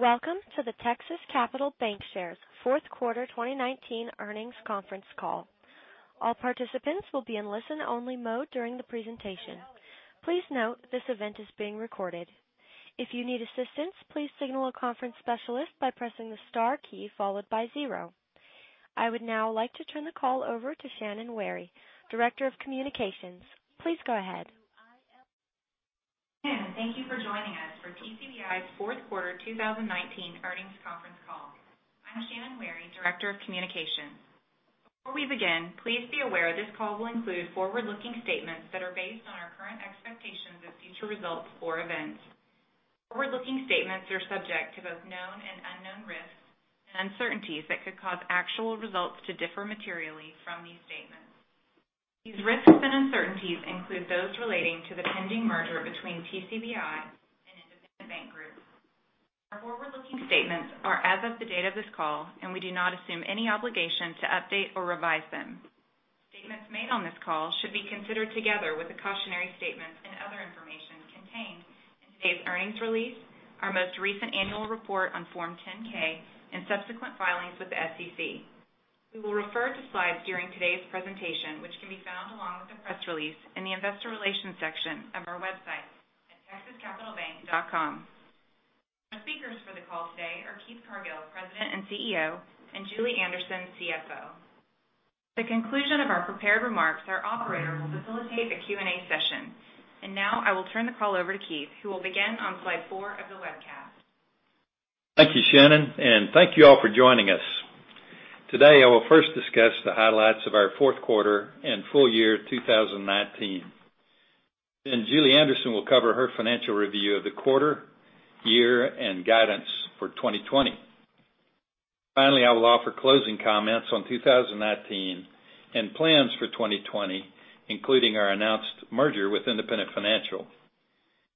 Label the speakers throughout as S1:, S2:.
S1: Welcome to the Texas Capital Bancshares shares fourth quarter 2019 earnings conference call. All participants will be in listen-only mode during the presentation. Please note this event is being recorded. If you need assistance, please signal a conference specialist by pressing the star key followed by zero. I would now like to turn the call over to Shannon Wherry, Director of Communications. Please go ahead.
S2: Thank you for joining us for TCBI's fourth quarter 2019 earnings conference call. I'm Shannon Wherry, Director of Communications. Before we begin, please be aware this call will include forward-looking statements that are based on our current expectations of future results or events. Forward-looking statements are subject to both known and unknown risks and uncertainties that could cause actual results to differ materially from these statements. These risks and uncertainties include those relating to the pending merger between TCBI and Independent Bank Group. Our forward-looking statements are as of the date of this call, and we do not assume any obligation to update or revise them. Statements made on this call should be considered together with the cautionary statements and other information contained in today's earnings release, our most recent annual report on Form 10-K and subsequent filings with the SEC. We will refer to slides during today's presentation, which can be found along with the press release in the investor relations section of our website at texascapitalbank.com. Our speakers for the call today are Keith Cargill, President and CEO, and Julie Anderson, CFO. At the conclusion of our prepared remarks, our operator will facilitate a Q&A session. Now I will turn the call over to Keith, who will begin on slide four of the webcast.
S3: Thank you, Shannon, and thank you all for joining us. Today, I will first discuss the highlights of our fourth quarter and full year 2019. Julie Anderson will cover her financial review of the quarter, year, and guidance for 2020. Finally, I will offer closing comments on 2019 and plans for 2020, including our announced merger with Independent Financial.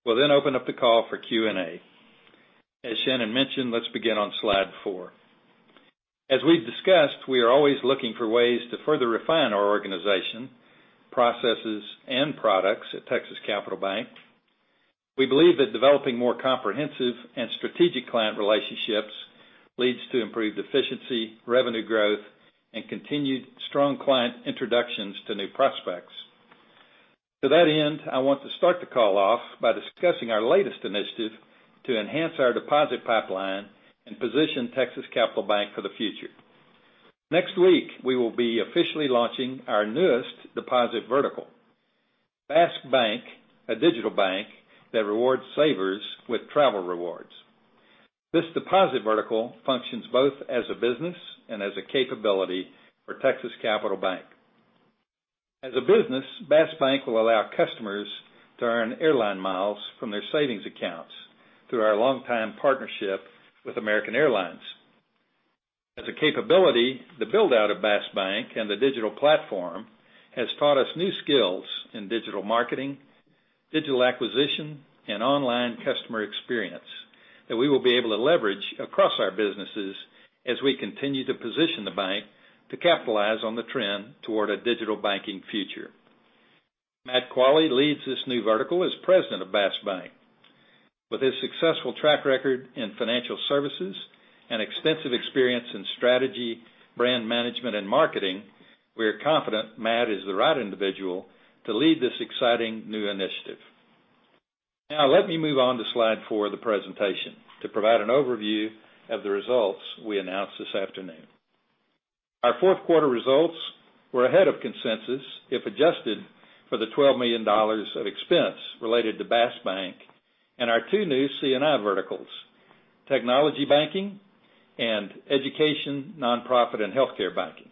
S3: We'll then open up the call for Q&A. As Shannon mentioned, let's begin on slide four. As we've discussed, we are always looking for ways to further refine our organization, processes, and products at Texas Capital Bank. We believe that developing more comprehensive and strategic client relationships leads to improved efficiency, revenue growth, and continued strong client introductions to new prospects. To that end, I want to start the call off by discussing our latest initiative to enhance our deposit pipeline and position Texas Capital Bank for the future. Next week, we will be officially launching our newest deposit vertical, Bask Bank, a digital bank that rewards savers with travel rewards. This deposit vertical functions both as a business and as a capability for Texas Capital Bank. As a business, Bask Bank will allow customers to earn airline miles from their savings accounts through our longtime partnership with American Airlines. As a capability, the build-out of Bask Bank and the digital platform has taught us new skills in digital marketing, digital acquisition, and online customer experience that we will be able to leverage across our businesses as we continue to position the bank to capitalize on the trend toward a digital banking future. Matt Quale leads this new vertical as President of Bask Bank. With his successful track record in financial services and extensive experience in strategy, brand management, and marketing, we are confident Matt is the right individual to lead this exciting new initiative. Now let me move on to slide four of the presentation to provide an overview of the results we announced this afternoon. Our fourth quarter results were ahead of consensus, if adjusted for the $12 million of expense related to Bask Bank and our two new C&I verticals, technology banking and education, nonprofit, and healthcare banking.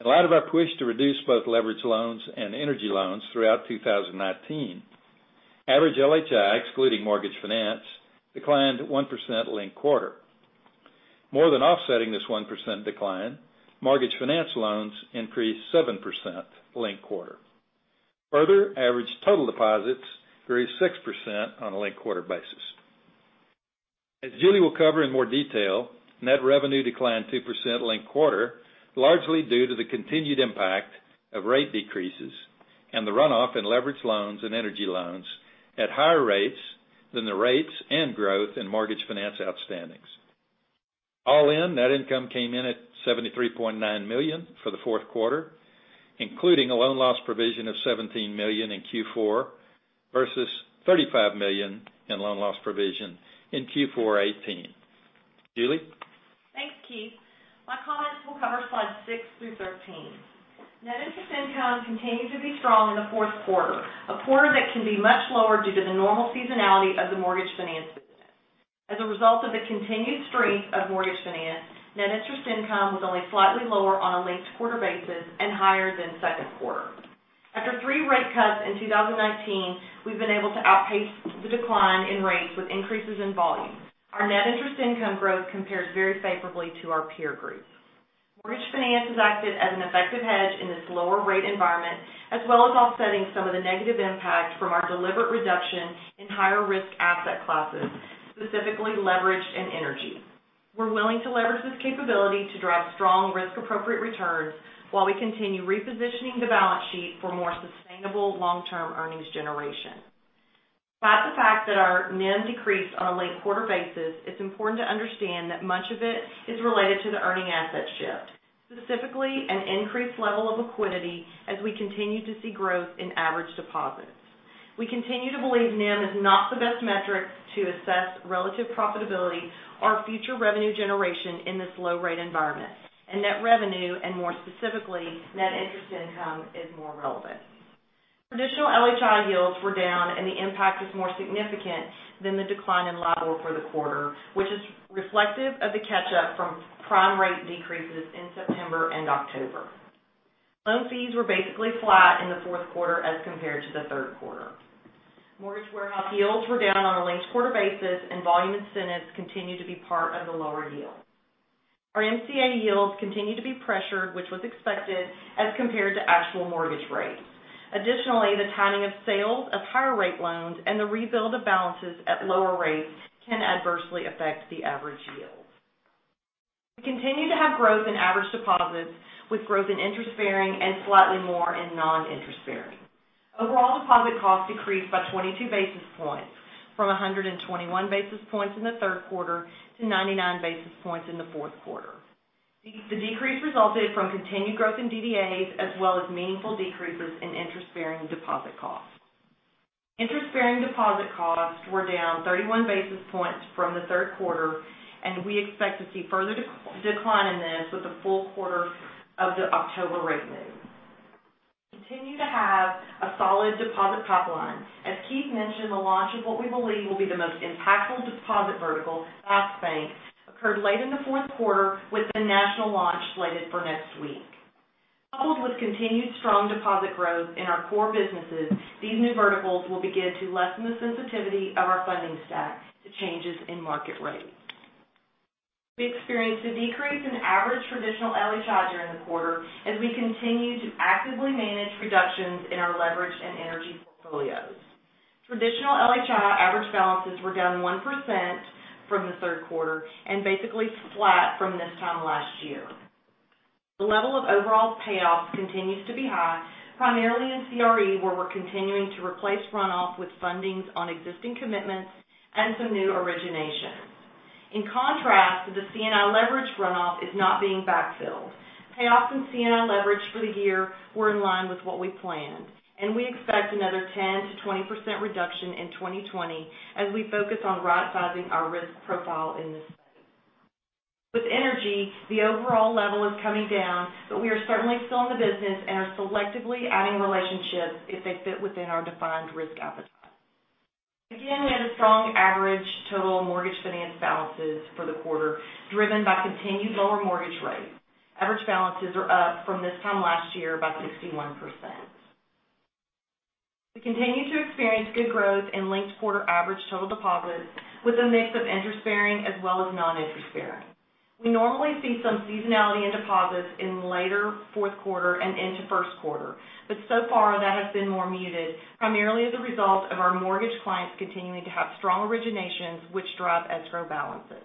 S3: In light of our push to reduce both leverage loans and energy loans throughout 2019, average LHI, excluding mortgage finance, declined 1% linked quarter. More than offsetting this 1% decline, mortgage finance loans increased 7% linked quarter. Further, average total deposits grew 6% on a linked-quarter basis. As Julie will cover in more detail, net revenue declined 2% linked quarter, largely due to the continued impact of rate decreases and the runoff in leverage loans and energy loans at higher rates than the rates and growth in mortgage finance outstandings. All in, net income came in at $73.9 million for the fourth quarter, including a loan loss provision of $17 million in Q4 versus $35 million in loan loss provision in Q4 2018. Julie?
S4: Thanks, Keith. My comments will cover slides six through 13. Net interest income continued to be strong in the fourth quarter, a quarter that can be much lower due to the normal seasonality of the mortgage finance business. As a result of the continued strength of mortgage finance, net interest income was only slightly lower on a linked-quarter basis and higher than second quarter. After three rate cuts in 2019, we've been able to outpace the decline in rates with increases in volume. Our net interest income growth compares very favorably to our peer groups. Mortgage finance has acted as an effective hedge in this lower rate environment, as well as offsetting some of the negative impact from our deliberate reduction in higher risk asset classes, specifically leverage and energy. We're willing to leverage this capability to drive strong risk-appropriate returns while we continue repositioning the balance sheet for more sustainable long-term earnings generation. Despite the fact that our NIM decreased on a linked-quarter basis, it's important to understand that much of it is related to the earning asset shift, specifically an increased level of liquidity as we continue to see growth in average deposits. We continue to believe NIM is not the best metric to assess relative profitability or future revenue generation in this low-rate environment, and net revenue, and more specifically, net interest income, is more relevant. Traditional LHI yields were down, and the impact is more significant than the decline in level for the quarter, which is reflective of the catch-up from prime rate decreases in September and October. Loan fees were basically flat in the fourth quarter as compared to the third quarter. Mortgage warehouse yields were down on a linked-quarter basis, and volume incentives continue to be part of the lower yield. Our MCA yields continue to be pressured, which was expected as compared to actual mortgage rates. Additionally, the timing of sales of higher-rate loans and the rebuild of balances at lower rates can adversely affect the average yield. We continue to have growth in average deposits, with growth in interest-bearing and slightly more in non-interest bearing. Overall deposit costs decreased by 22 basis points from 121 basis points in the third quarter to 99 basis points in the fourth quarter. The decrease resulted from continued growth in DDAs, as well as meaningful decreases in interest-bearing deposit costs. Interest-bearing deposit costs were down 31 basis points from the third quarter, and we expect to see further decline in this with the full quarter of the October rate move. We continue to have a solid deposit pipeline. As Keith mentioned, the launch of what we believe will be the most impactful deposit vertical, Bask Bank, occurred late in the fourth quarter, with the national launch slated for next week. Coupled with continued strong deposit growth in our core businesses, these new verticals will begin to lessen the sensitivity of our funding stack to changes in market rates. We experienced a decrease in average traditional LHI during the quarter as we continue to actively manage reductions in our leverage and energy portfolios. Traditional LHI average balances were down 1% from the third quarter. Basically flat from this time last year. The level of overall payoffs continues to be high, primarily in CRE, where we're continuing to replace runoff with fundings on existing commitments and some new originations. In contrast to the C&I leverage runoff is not being backfilled. Payoffs in C&I leverage for the year were in line with what we planned, and we expect another 10%-20% reduction in 2020 as we focus on right-sizing our risk profile in this space. With energy, the overall level is coming down, but we are certainly still in the business and are selectively adding relationships if they fit within our defined risk appetite. Again, we had a strong average total mortgage finance balances for the quarter, driven by continued lower mortgage rates. Average balances are up from this time last year by 61%. We continue to experience good growth in linked-quarter average total deposits with a mix of interest-bearing as well as non-interest-bearing. We normally see some seasonality in deposits in later fourth quarter and into first quarter. So far, that has been more muted, primarily as a result of our mortgage clients continuing to have strong originations which drive escrow balances.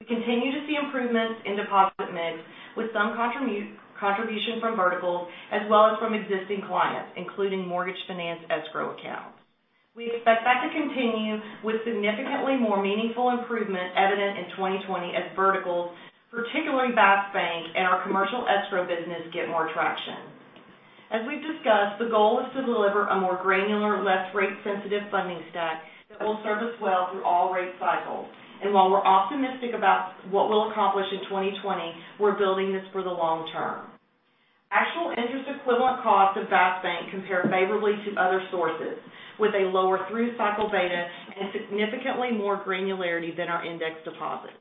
S4: We continue to see improvements in deposit mix, with some contribution from verticals as well as from existing clients, including mortgage finance escrow accounts. We expect that to continue, with significantly more meaningful improvement evident in 2020 as verticals, particularly Bask Bank and our commercial escrow business, get more traction. As we've discussed, the goal is to deliver a more granular, less rate-sensitive funding stack that will serve us well through all rate cycles. While we're optimistic about what we'll accomplish in 2020, we're building this for the long term. Actual interest equivalent costs of Bask Bank compare favorably to other sources, with a lower through-cycle beta and significantly more granularity than our index deposits.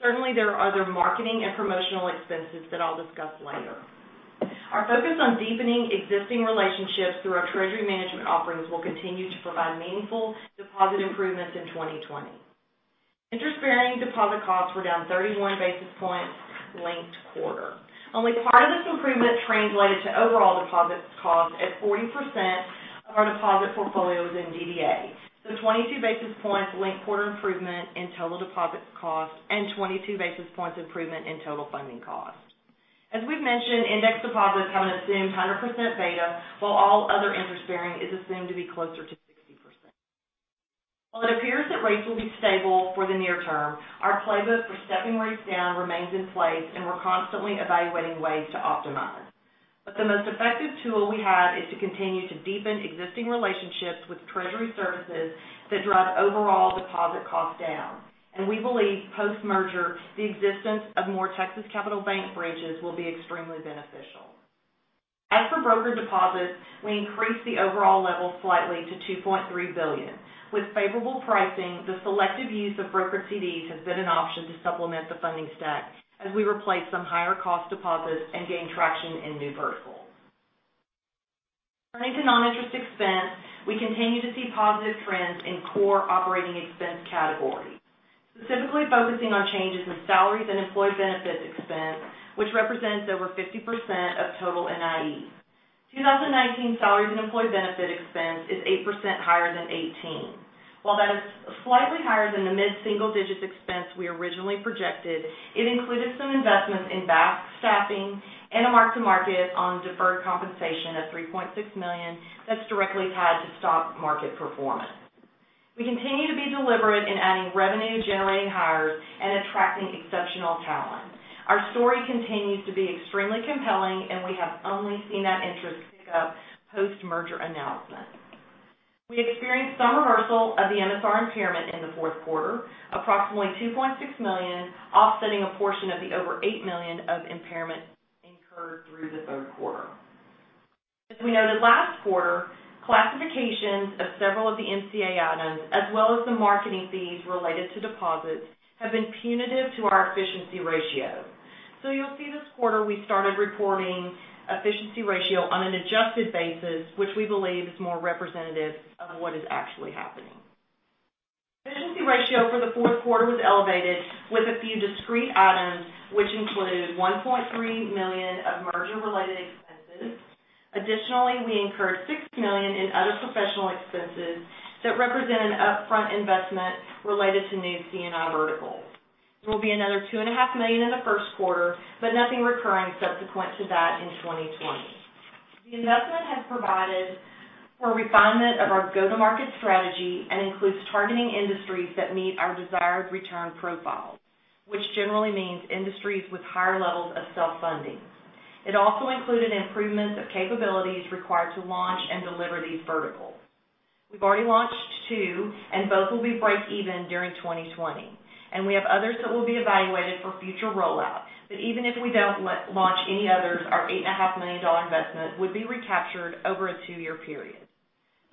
S4: Certainly, there are other marketing and promotional expenses that I'll discuss later. Our focus on deepening existing relationships through our treasury management offerings will continue to provide meaningful deposit improvements in 2020. Interest-bearing deposit costs were down 31 basis points linked quarter. Only part of this improvement translated to overall deposits cost as 40% of our deposit portfolio is in DDA. 22 basis points linked-quarter improvement in total deposits cost and 22 basis points improvement in total funding cost. As we've mentioned, index deposits have an assumed 100% beta, while all other interest bearing is assumed to be closer to 60%. While it appears that rates will be stable for the near term, our playbook for stepping rates down remains in place, and we're constantly evaluating ways to optimize. The most effective tool we have is to continue to deepen existing relationships with treasury services that drive overall deposit costs down. We believe post-merger, the existence of more Texas Capital Bancshares branches will be extremely beneficial. As for broker deposits, we increased the overall level slightly to $2.3 billion. With favorable pricing, the selective use of broker CDs has been an option to supplement the funding stack as we replace some higher-cost deposits and gain traction in new verticals. Turning to non-interest expense, we continue to see positive trends in core operating expense categories, specifically focusing on changes in salaries and employee benefits expense, which represents over 50% of total NIE. 2019 salaries and employee benefit expense is 8% higher than 2018. While that is slightly higher than the mid-single digits expense we originally projected, it included some investments in Bask staffing and a mark-to-market on deferred compensation of $3.6 million that's directly tied to stock market performance. We continue to be deliberate in adding revenue-generating hires and attracting exceptional talent. Our story continues to be extremely compelling, and we have only seen that interest pick up post-merger announcement. We experienced some reversal of the MSR impairment in the fourth quarter, approximately $2.6 million, offsetting a portion of the over $8 million of impairment incurred through the third quarter. As we noted last quarter, classifications of several of the NCA items, as well as the marketing fees related to deposits, have been punitive to our efficiency ratio. You'll see this quarter we started reporting efficiency ratio on an adjusted basis, which we believe is more representative of what is actually happening. Efficiency ratio for the fourth quarter was elevated with a few discrete items, which included $1.3 million of merger-related expenses. Additionally, we incurred $6 million in other professional expenses that represent an upfront investment related to new C&I verticals. There will be another $2.5 million in the first quarter, but nothing recurring subsequent to that in 2020. The investment has provided for refinement of our go-to-market strategy and includes targeting industries that meet our desired return profile, which generally means industries with higher levels of self-funding. It also included improvements of capabilities required to launch and deliver these verticals. We've already launched two, and both will be break even during 2020. We have others that will be evaluated for future rollout. Even if we don't launch any others, our $8.5 million investment would be recaptured over a two-year period.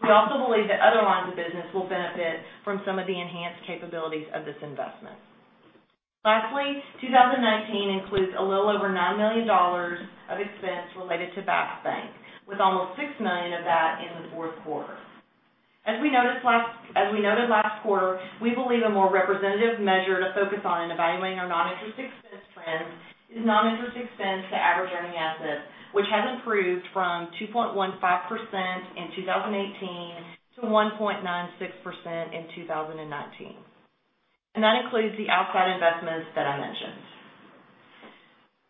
S4: We also believe that other lines of business will benefit from some of the enhanced capabilities of this investment. Lastly, 2019 includes a little over $9 million of expense related to Bask Bank, with almost $6 million of that in the fourth quarter. As we noted last quarter, we believe a more representative measure to focus on in evaluating our non-interest expense trends is non-interest expense to average earning assets, which has improved from 2.15% in 2018 to 1.96% in 2019. That includes the outside investments that I mentioned.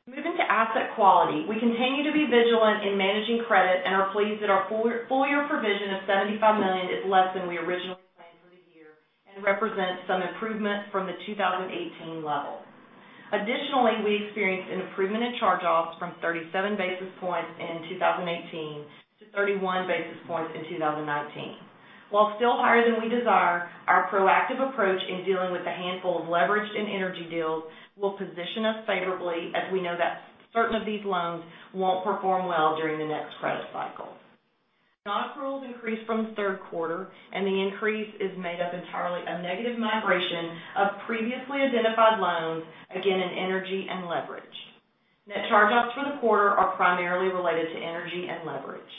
S4: Moving to asset quality, we continue to be vigilant in managing credit and are pleased that our full-year provision of $75 million is less than we originally planned for the year and represents some improvement from the 2018 level. We experienced an improvement in charge-offs from 37 basis points in 2018 to 31 basis points in 2019. While still higher than we desire, our proactive approach in dealing with a handful of leveraged and energy deals will position us favorably as we know that certain of these loans won't perform well during the next credit cycle. Non-accruals increased from the third quarter, the increase is made up entirely of negative migration of previously identified loans, again, in energy and leverage. Net charge-offs for the quarter are primarily related to energy and leverage.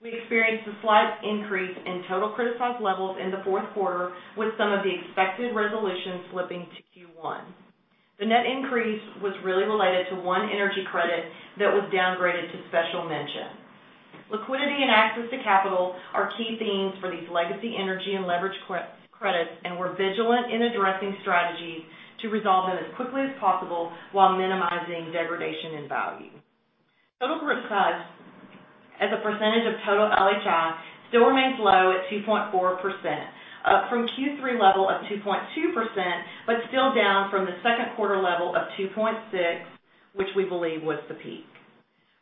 S4: We experienced a slight increase in total criticized levels in the fourth quarter with some of the expected resolutions slipping to Q1. The net increase was really related to one energy credit that was downgraded to special mention. Liquidity and access to capital are key themes for these legacy energy and leverage credits, and we're vigilant in addressing strategies to resolve them as quickly as possible while minimizing degradation in value. Total criticized as a percentage of total LHI still remains low at 2.4%, up from Q3 level of 2.2%, but still down from the second quarter level of 2.6%, which we believe was the peak.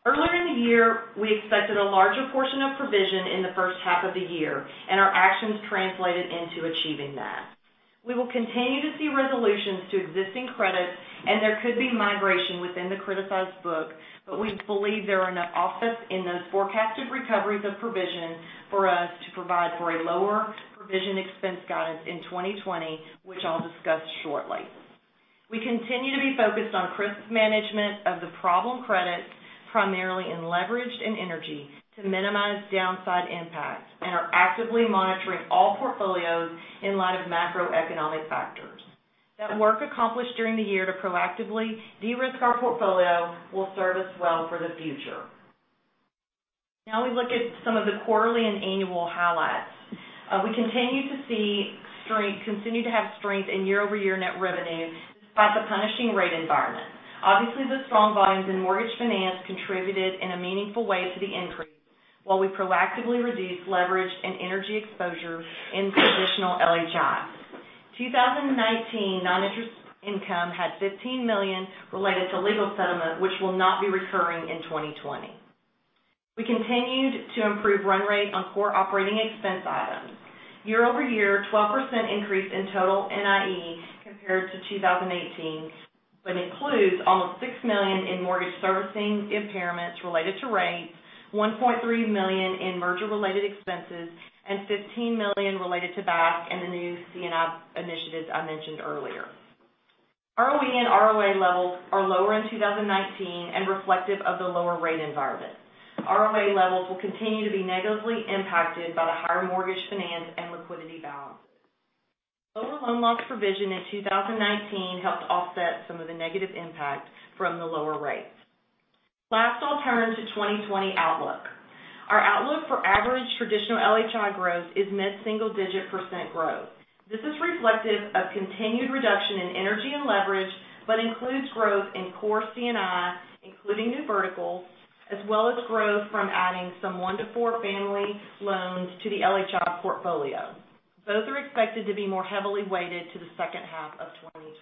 S4: Earlier in the year, we expected a larger portion of provision in the first half of the year, and our actions translated into achieving that. We will continue to see resolutions to existing credits, and there could be migration within the criticized book, but we believe there are enough offsets in those forecasted recoveries of provision for us to provide for a lower provision expense guidance in 2020, which I'll discuss shortly. We continue to be focused on risk management of the problem credits, primarily in leverage and energy, to minimize downside impact and are actively monitoring all portfolios in light of macroeconomic factors. The work accomplished during the year to proactively de-risk our portfolio will serve us well for the future. Now we look at some of the quarterly and annual highlights. We continue to have strength in year-over-year net revenue despite the punishing rate environment. Obviously, the strong volumes in mortgage finance contributed in a meaningful way to the increase, while we proactively reduced leverage and energy exposure in traditional LHI. 2019 non-interest income had $15 million related to legal settlement, which will not be recurring in 2020. We continued to improve run rate on core operating expense items. Year-over-year, 12% increase in total NIE compared to 2018. Includes almost $6 million in mortgage servicing impairments related to rates, $1.3 million in merger-related expenses, and $15 million related to Bask and the new C&I initiatives I mentioned earlier. ROE and ROA levels are lower in 2019 and reflective of the lower rate environment. ROA levels will continue to be negatively impacted by the higher mortgage finance and liquidity balance. Loan loss provision in 2019 helped offset some of the negative impact from the lower rates. Last, I'll turn to 2020 outlook. Our outlook for average traditional LHI growth is mid-single digit percent growth. This is reflective of continued reduction in energy and leverage, but includes growth in core C&I, including new verticals, as well as growth from adding some one to four family loans to the LHI portfolio. Both are expected to be more heavily weighted to the second half of 2020.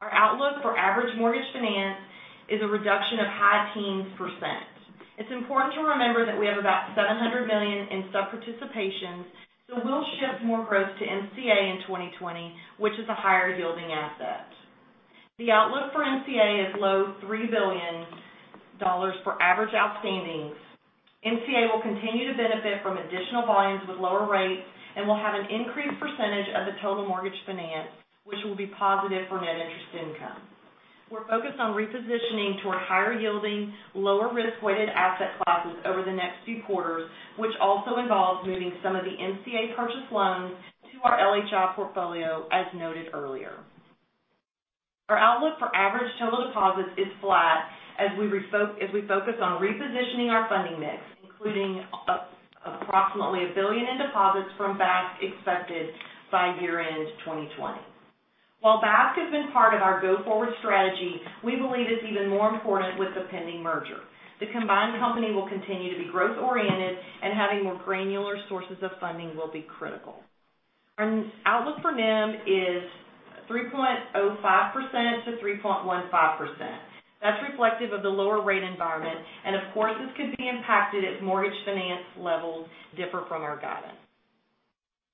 S4: Our outlook for average mortgage finance is a reduction of high teens percent. It's important to remember that we have about $700 million in sub-participations, so we'll shift more growth to NCA in 2020, which is a higher yielding asset. The outlook for NCA is low $3 billion for average outstandings. NCA will continue to benefit from additional volumes with lower rates, and will have an increased percentage of the total mortgage finance, which will be positive for net interest income. We're focused on repositioning toward higher yielding, lower risk weighted asset classes over the next few quarters, which also involves moving some of the NCA purchase loans to our LHI portfolio, as noted earlier. Our outlook for average total deposits is flat as we focus on repositioning our funding mix, including approximately $1 billion in deposits from Bask expected by year-end 2020. While Bask has been part of our go-forward strategy, we believe it's even more important with the pending merger. The combined company will continue to be growth-oriented and having more granular sources of funding will be critical. Our outlook for NIM is 3.05%-3.15%. That's reflective of the lower rate environment, and of course, this could be impacted if mortgage finance levels differ from our guidance.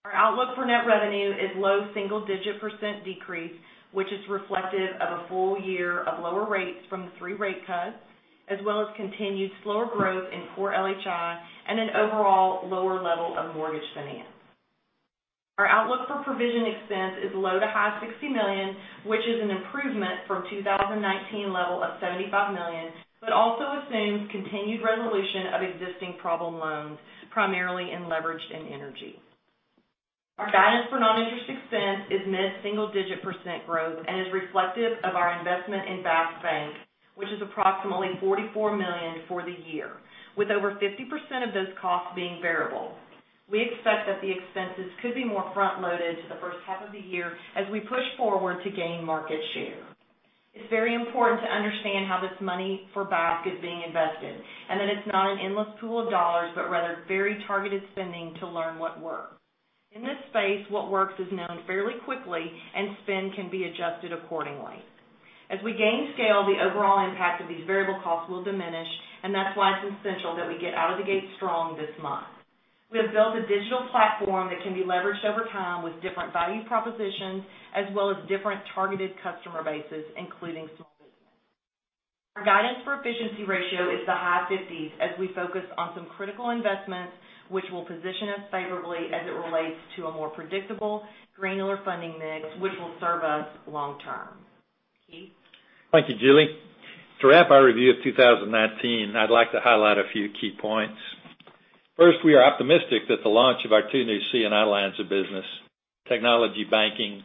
S4: Our outlook for net revenue is low single-digit percent decrease, which is reflective of a full year of lower rates from the three rate cuts, as well as continued slower growth in core LHI, and an overall lower level of mortgage finance. Our outlook for provision expense is low to high $60 million, which is an improvement from 2019 level of $75 million, but also assumes continued resolution of existing problem loans, primarily in leveraged and energy. Our guidance for non-interest expense is mid-single-digit percent growth and is reflective of our investment in Bask Bank, which is approximately $44 million for the year, with over 50% of those costs being variable. We expect that the expenses could be more front-loaded to the first half of the year as we push forward to gain market share. It's very important to understand how this money for Bask is being invested, and that it's not an endless pool of dollars, but rather very targeted spending to learn what works. In this space, what works is known fairly quickly and spend can be adjusted accordingly. As we gain scale, the overall impact of these variable costs will diminish, and that's why it's essential that we get out of the gate strong this month. We have built a digital platform that can be leveraged over time with different value propositions, as well as different targeted customer bases, including small business. Our guidance for efficiency ratio is the high 50%s, as we focus on some critical investments which will position us favorably as it relates to a more predictable granular funding mix, which will serve us long term. Keith?
S3: Thank you, Julie. To wrap our review of 2019, I'd like to highlight a few key points. First, we are optimistic that the launch of our two new C&I lines of business, technology banking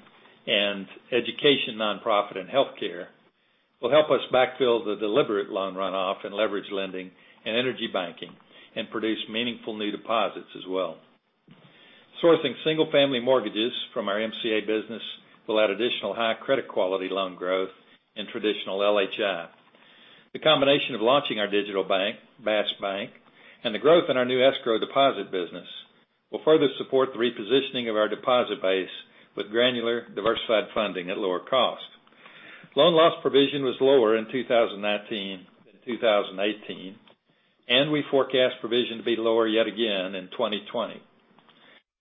S3: and education, nonprofit, and healthcare, will help us backfill the deliberate loan runoff in leverage lending and energy banking and produce meaningful new deposits as well. Sourcing single-family mortgages from our MCA business will add additional high credit quality loan growth in traditional LHI. The combination of launching our digital bank, Bask Bank, and the growth in our new escrow deposit business will further support the repositioning of our deposit base with granular diversified funding at lower cost. Loan loss provision was lower in 2019 than 2018, and we forecast provision to be lower yet again in 2020.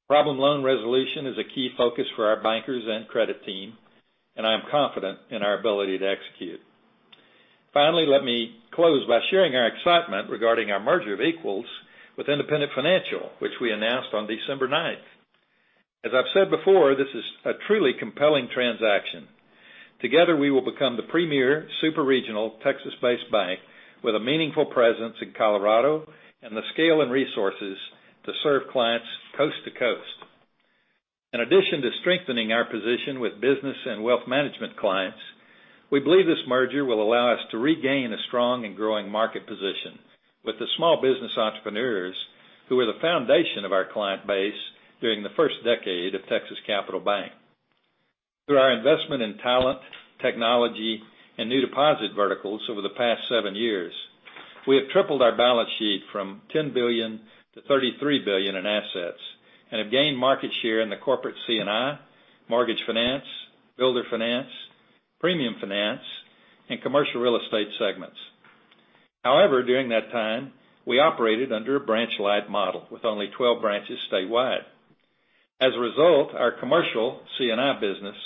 S3: Problem loan resolution is a key focus for our bankers and credit team, and I am confident in our ability to execute. Finally, let me close by sharing our excitement regarding our merger of equals with Independent Financial, which we announced on December 9th. As I've said before, this is a truly compelling transaction. Together, we will become the premier super regional Texas-based bank with a meaningful presence in Colorado and the scale and resources to serve clients coast to coast. In addition to strengthening our position with business and wealth management clients, we believe this merger will allow us to regain a strong and growing market position with the small business entrepreneurs who were the foundation of our client base during the first decade of Texas Capital Bank. Through our investment in talent, technology, and new deposit verticals over the past seven years, we have tripled our balance sheet from $10 billion to $33 billion in assets and have gained market share in the corporate C&I, mortgage finance, builder finance, premium finance, and commercial real estate segments. During that time, we operated under a branch-light model with only 12 branches statewide. As a result, our commercial C&I business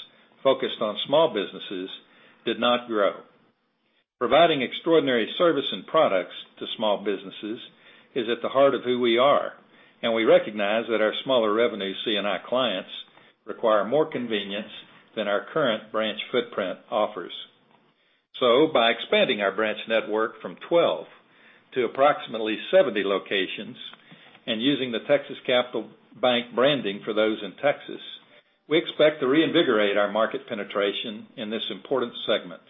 S3: focused on small businesses did not grow. Providing extraordinary service and products to small businesses is at the heart of who we are, and we recognize that our smaller revenue C&I clients require more convenience than our current branch footprint offers. By expanding our branch network from 12 to approximately 70 locations and using the Texas Capital Bank branding for those in Texas, we expect to reinvigorate our market penetration in this important segment.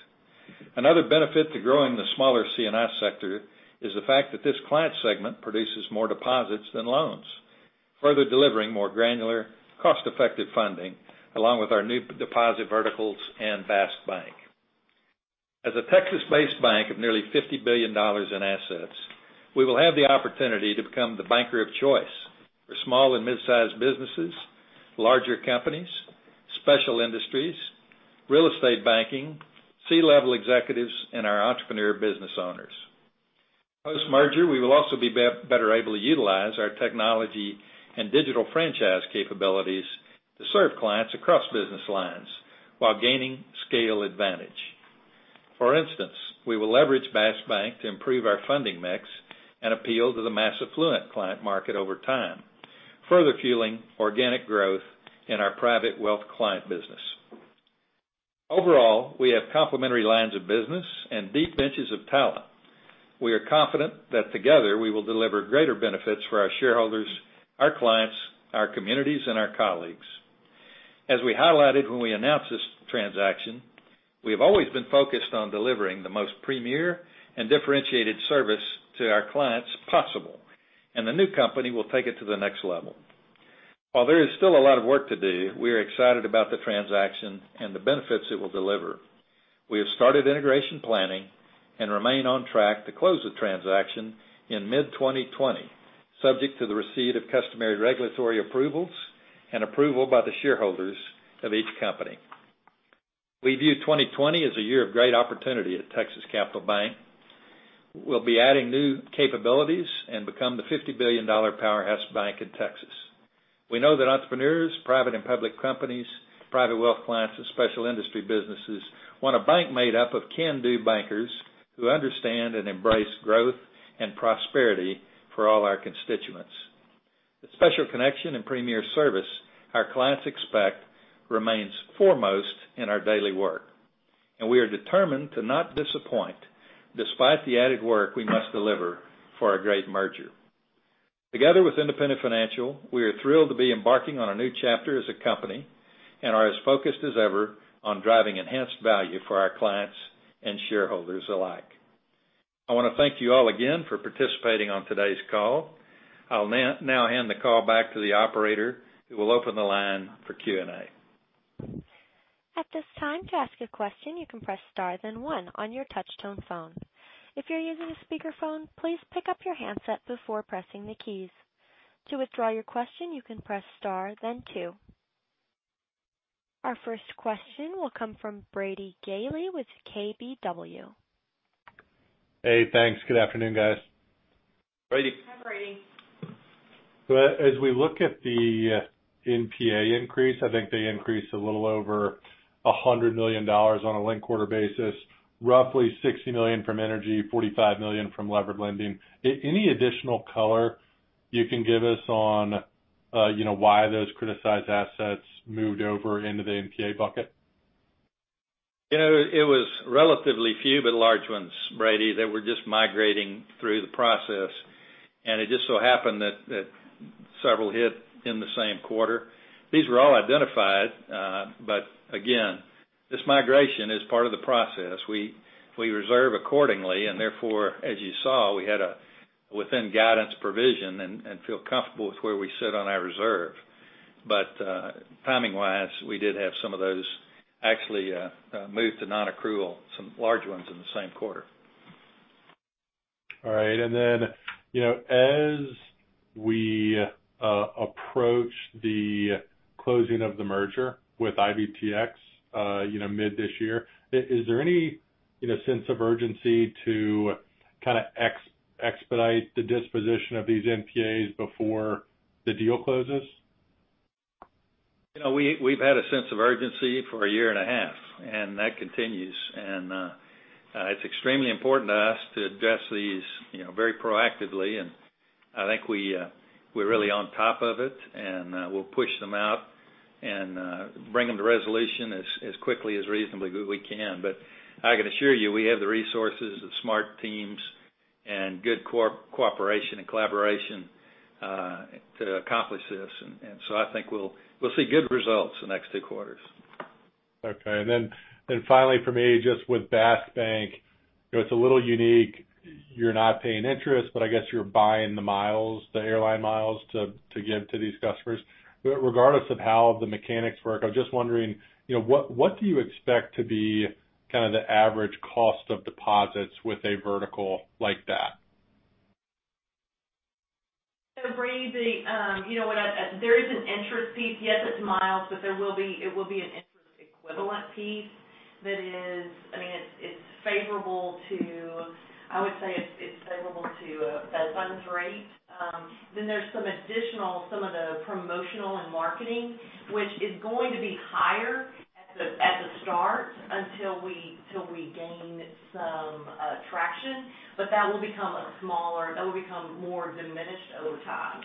S3: Another benefit to growing the smaller C&I sector is the fact that this client segment produces more deposits than loans, further delivering more granular, cost-effective funding along with our new deposit verticals and Bask Bank. As a Texas-based bank of nearly $50 billion in assets, we will have the opportunity to become the banker of choice for small and mid-sized businesses, larger companies, special industries, real estate banking, C-level executives, and our entrepreneur business owners. Post-merger, we will also be better able to utilize our technology and digital franchise capabilities to serve clients across business lines while gaining scale advantage. For instance, we will leverage Bask Bank to improve our funding mix and appeal to the mass affluent client market over time, further fueling organic growth in our private wealth client business. Overall, we have complementary lines of business and deep benches of talent. We are confident that together we will deliver greater benefits for our shareholders, our clients, our communities, and our colleagues. As we highlighted when we announced this transaction, we have always been focused on delivering the most premier and differentiated service to our clients possible, and the new company will take it to the next level. While there is still a lot of work to do, we are excited about the transaction and the benefits it will deliver. We have started integration planning and remain on track to close the transaction in mid-2020, subject to the receipt of customary regulatory approvals and approval by the shareholders of each company. We view 2020 as a year of great opportunity at Texas Capital Bank. We'll be adding new capabilities and become the $50 billion powerhouse bank in Texas. We know that entrepreneurs, private and public companies, private wealth clients, and special industry businesses want a bank made up of can-do bankers who understand and embrace growth and prosperity for all our constituents. The special connection and premier service our clients expect remains foremost in our daily work, and we are determined to not disappoint despite the added work we must deliver for our great merger. Together with Independent Financial, we are thrilled to be embarking on a new chapter as a company and are as focused as ever on driving enhanced value for our clients and shareholders alike. I want to thank you all again for participating on today's call. I'll now hand the call back to the operator, who will open the line for Q&A.
S1: At this time, to ask a question, you can press star then one on your touch-tone phone. If you're using a speakerphone, please pick up your handset before pressing the keys. To withdraw your question, you can press star then two. Our first question will come from Brady Gailey with KBW.
S5: Hey, thanks. Good afternoon, guys.
S3: Brady.
S4: Hi, Brady.
S5: As we look at the NPA increase, I think they increased a little over $100 million on a linked quarter basis, roughly $60 million from energy, $45 million from levered lending. Any additional color you can give us on why those criticized assets moved over into the NPA bucket?
S3: It was relatively few, but large ones, Brady, that were just migrating through the process, and it just so happened that several hit in the same quarter. These were all identified. Again, this migration is part of the process. We reserve accordingly, and therefore, as you saw, we had a within guidance provision and feel comfortable with where we sit on our reserve. Timing-wise, we did have some of those actually move to non-accrual, some large ones in the same quarter.
S5: All right, as we approach the closing of the merger with IBTX mid this year, is there any sense of urgency to kind of expedite the disposition of these NPAs before the deal closes?
S3: We've had a sense of urgency for a year and a half, and that continues. It's extremely important to us to address these very proactively, and I think we're really on top of it, and we'll push them out and bring them to resolution as quickly as reasonably good we can. I can assure you, we have the resources, the smart teams, and good cooperation and collaboration to accomplish this. I think we'll see good results the next two quarters.
S5: Okay. Finally from me, just with Bask Bank, it's a little unique. You're not paying interest, but I guess you're buying the miles, the airline miles to give to these customers. Regardless of how the mechanics work, I was just wondering, what do you expect to be kind of the average cost of deposits with a vertical like that?
S4: Brady, there is an interest piece. Yes, it's miles, but it will be an interest piece that is, it's favorable to, I would say, it's favorable to Fed funds rate. There's some additional, some of the promotional and marketing, which is going to be higher at the start until we gain some traction, but that will become smaller. That will become more diminished over time.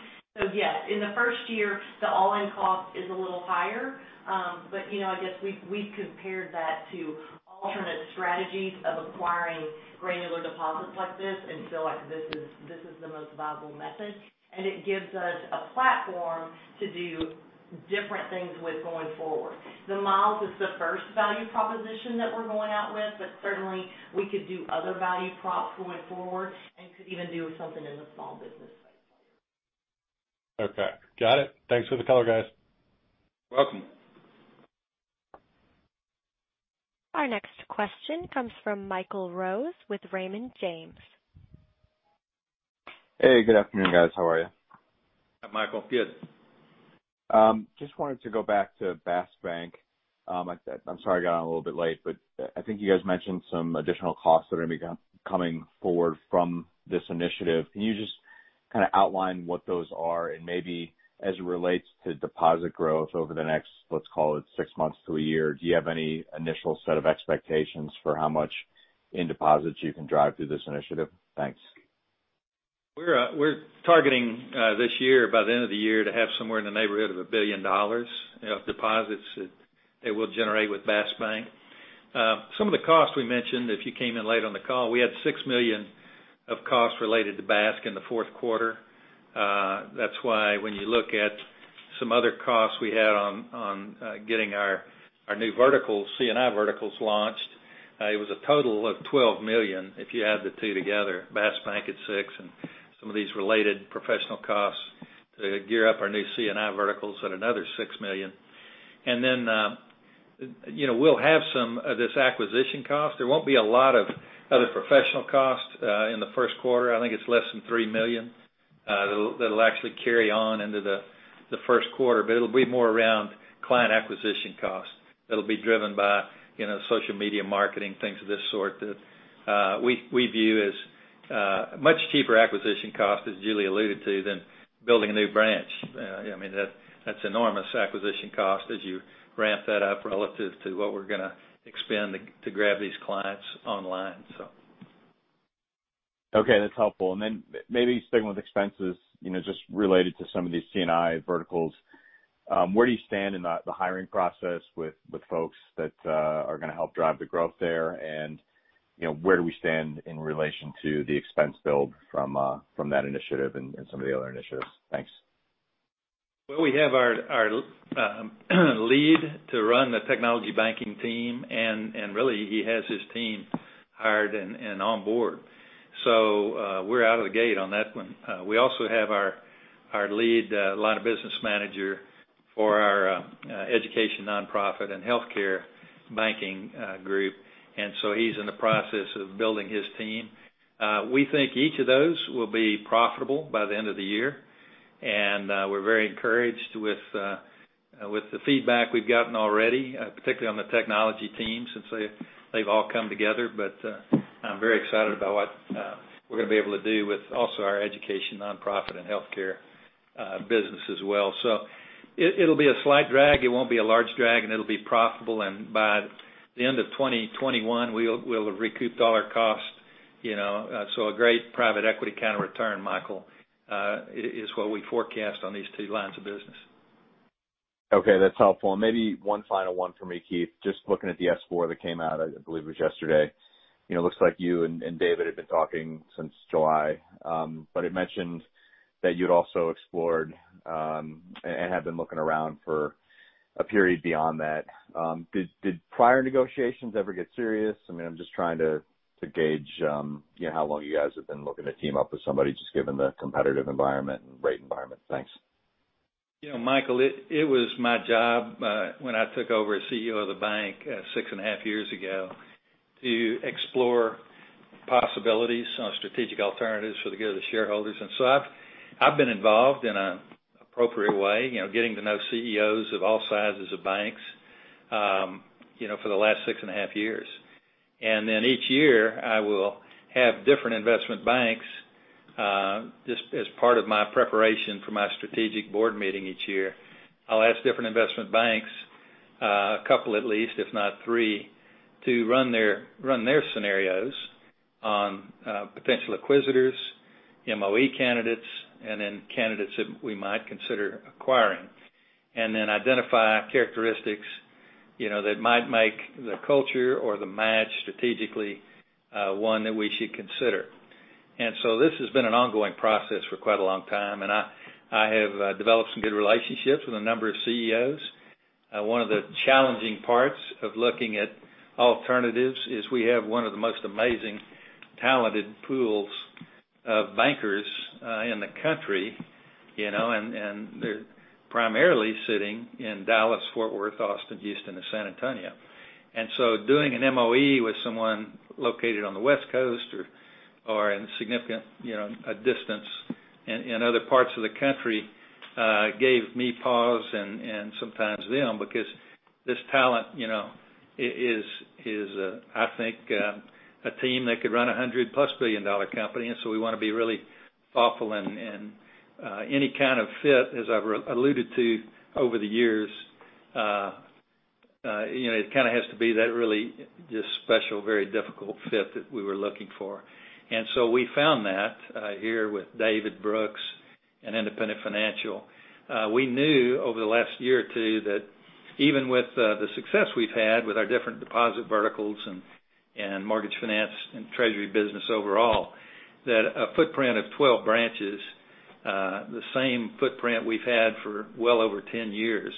S4: Yes, in the first year, the all-in cost is a little higher. I guess we've compared that to alternate strategies of acquiring granular deposits like this and feel like this is the most viable method, and it gives us a platform to do different things with going forward. The miles is the first value proposition that we're going out with, but certainly we could do other value props going forward and could even do something in the small business space.
S5: Okay. Got it. Thanks for the color, guys.
S3: Welcome.
S1: Our next question comes from Michael Rose with Raymond James.
S6: Hey, good afternoon, guys. How are you?
S3: Hi, Michael. Good.
S6: Just wanted to go back to Bask Bank. I'm sorry I got on a little bit late, but I think you guys mentioned some additional costs that are going to be coming forward from this initiative. Can you just kind of outline what those are and maybe as it relates to deposit growth over the next, let's call it six months to one year, do you have any initial set of expectations for how much in deposits you can drive through this initiative? Thanks.
S3: We're targeting this year, by the end of the year, to have somewhere in the neighborhood of $1 billion of deposits that we'll generate with Bask Bank. Some of the costs we mentioned, if you came in late on the call, we had $6 million of costs related to Bask in the fourth quarter. That's why when you look at some other costs we had on getting our new C&I verticals launched it was a total of $12 million if you add the two together, Bask Bank at $6 million, and some of these related professional costs to gear up our new C&I verticals at another $6 million. Then we'll have some of this acquisition cost. There won't be a lot of other professional costs in the first quarter. I think it's less than $3 million that'll actually carry on into the first quarter, it'll be more around client acquisition costs that'll be driven by social media marketing, things of this sort, that we view as much cheaper acquisition cost, as Julie alluded to, than building a new branch. That's enormous acquisition cost as you ramp that up relative to what we're going to expend to grab these clients online.
S6: Okay, that's helpful. Then maybe sticking with expenses, just related to some of these C&I verticals, where do you stand in the hiring process with folks that are going to help drive the growth there? Where do we stand in relation to the expense build from that initiative and some of the other initiatives? Thanks.
S3: We have our lead to run the technology banking team, and really, he has his team hired and on board. We're out of the gate on that one. We also have our lead line of business manager for our education, nonprofit and healthcare banking group, he's in the process of building his team. We think each of those will be profitable by the end of the year, and we're very encouraged with the feedback we've gotten already, particularly on the technology team, since they've all come together. I'm very excited about what we're going to be able to do with also our education, nonprofit and healthcare business as well. It'll be a slight drag. It won't be a large drag, and it'll be profitable. By the end of 2021, we'll have recouped all our costs. A great private equity kind of return, Michael, is what we forecast on these two lines of business.
S6: Okay, that's helpful. Maybe one final one for me, Keith. Just looking at the S-4 that came out, I believe it was yesterday. It looks like you and David have been talking since July. It mentioned that you'd also explored, and had been looking around for a period beyond that. Did prior negotiations ever get serious? I'm just trying to gauge how long you guys have been looking to team up with somebody, just given the competitive environment and rate environment. Thanks.
S3: Michael, it was my job, when I took over as CEO of the bank six and a half years ago, to explore possibilities on strategic alternatives for the good of the shareholders. I've been involved in an appropriate way, getting to know CEOs of all sizes of banks, for the last six and a half years. Each year, I will have different investment banks, just as part of my preparation for my strategic board meeting each year. I'll ask different investment banks, a couple at least, if not three, to run their scenarios on potential acquisitors, MOE candidates, and then candidates that we might consider acquiring. Identify characteristics that might make the culture or the match strategically one that we should consider. This has been an ongoing process for quite a long time, and I have developed some good relationships with a number of CEOs. One of the challenging parts of looking at alternatives is we have one of the most amazing talented pools of bankers in the country, and they're primarily sitting in Dallas, Fort Worth, Austin, Houston, and San Antonio. Doing an MOE with someone located on the West Coast or are in significant distance in other parts of the country, gave me pause and sometimes them because this talent is, I think, a team that could run $100+ billion company. We want to be really thoughtful and any kind of fit, as I've alluded to over the years, it kind of has to be that really just special, very difficult fit that we were looking for. We found that here with David Brooks and Independent Financial. We knew over the last year or two that even with the success we've had with our different deposit verticals and mortgage finance and treasury business overall, that a footprint of 12 branches, the same footprint we've had for well over 10 years,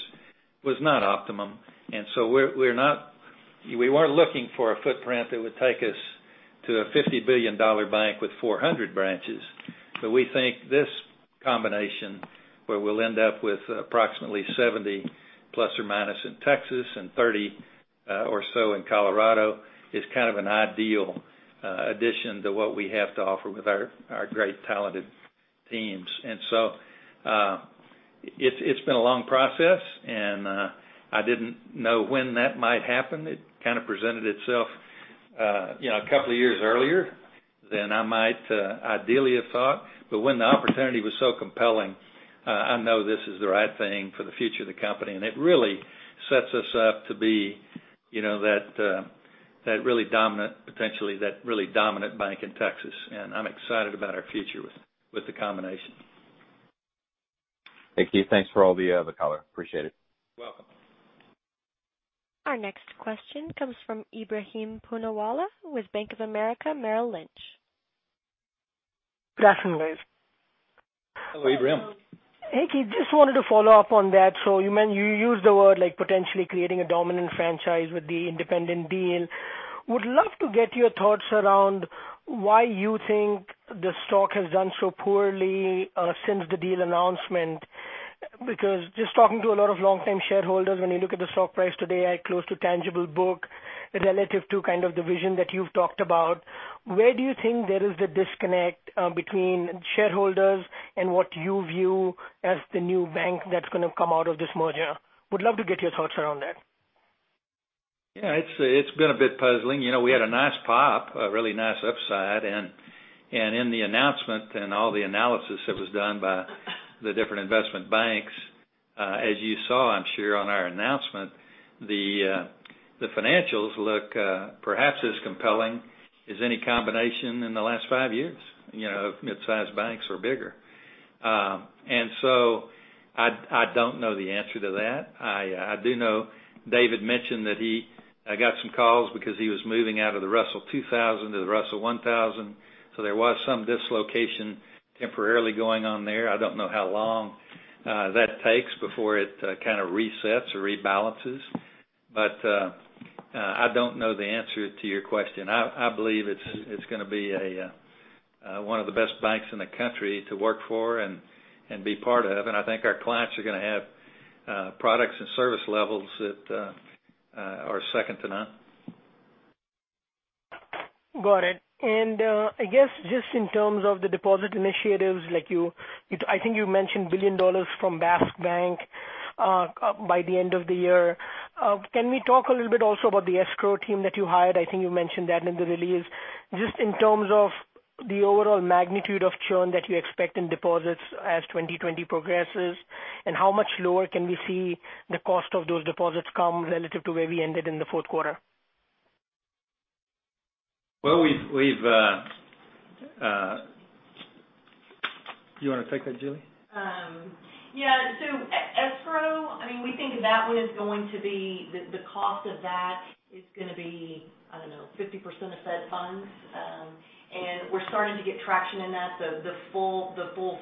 S3: was not optimum. We weren't looking for a footprint that would take us to a $50 billion bank with 400 branches. We think this combination, where we'll end up with approximately 70± in Texas and 30 or so in Colorado, is kind of an ideal addition to what we have to offer with our great talented teams. It's been a long process and I didn't know when that might happen. It kind of presented itself a couple of years earlier than I might ideally have thought. When the opportunity was so compelling, I know this is the right thing for the future of the company, and it really sets us up to be that really dominant, potentially that really dominant bank in Texas. I'm excited about our future with the combination.
S6: Thank you. Thanks for all the color. Appreciate it.
S3: Welcome.
S1: Our next question comes from Ebrahim Poonawala with Bank of America Corporation.
S7: Good afternoon, guys.
S3: Hello, Ebrahim.
S7: Hey, Keith, just wanted to follow up on that. You used the word like potentially creating a dominant franchise with the Independent deal. Would love to get your thoughts around why you think the stock has done so poorly since the deal announcement. Because just talking to a lot of long-time shareholders, when you look at the stock price today at close to tangible book, relative to kind of the vision that you've talked about, where do you think there is a disconnect between shareholders and what you view as the new bank that's going to come out of this merger? Would love to get your thoughts around that.
S3: It's been a bit puzzling. We had a nice pop, a really nice upside, and in the announcement and all the analysis that was done by the different investment banks, as you saw, I'm sure, on our announcement, the financials look perhaps as compelling as any combination in the last five years, mid-sized banks or bigger. I don't know the answer to that. I do know David mentioned that he got some calls because he was moving out of the Russell 2000 to the Russell 1000. There was some dislocation temporarily going on there. I don't know how long that takes before it kind of resets or rebalances. I don't know the answer to your question. I believe it's going to be one of the best banks in the country to work for and be part of, and I think our clients are going to have products and service levels that are second to none.
S7: Got it. I guess just in terms of the deposit initiatives, I think you mentioned $1 billion from Bask Bank by the end of the year. Can we talk a little bit also about the escrow team that you hired? I think you mentioned that in the release. Just in terms of the overall magnitude of churn that you expect in deposits as 2020 progresses, and how much lower can we see the cost of those deposits come relative to where we ended in the fourth quarter?
S3: You want to take that, Julie?
S4: Yeah. Escrow, we think that was going to be, the cost of that is going to be, I don't know, 50% of Fed funds. We're starting to get traction in that. The full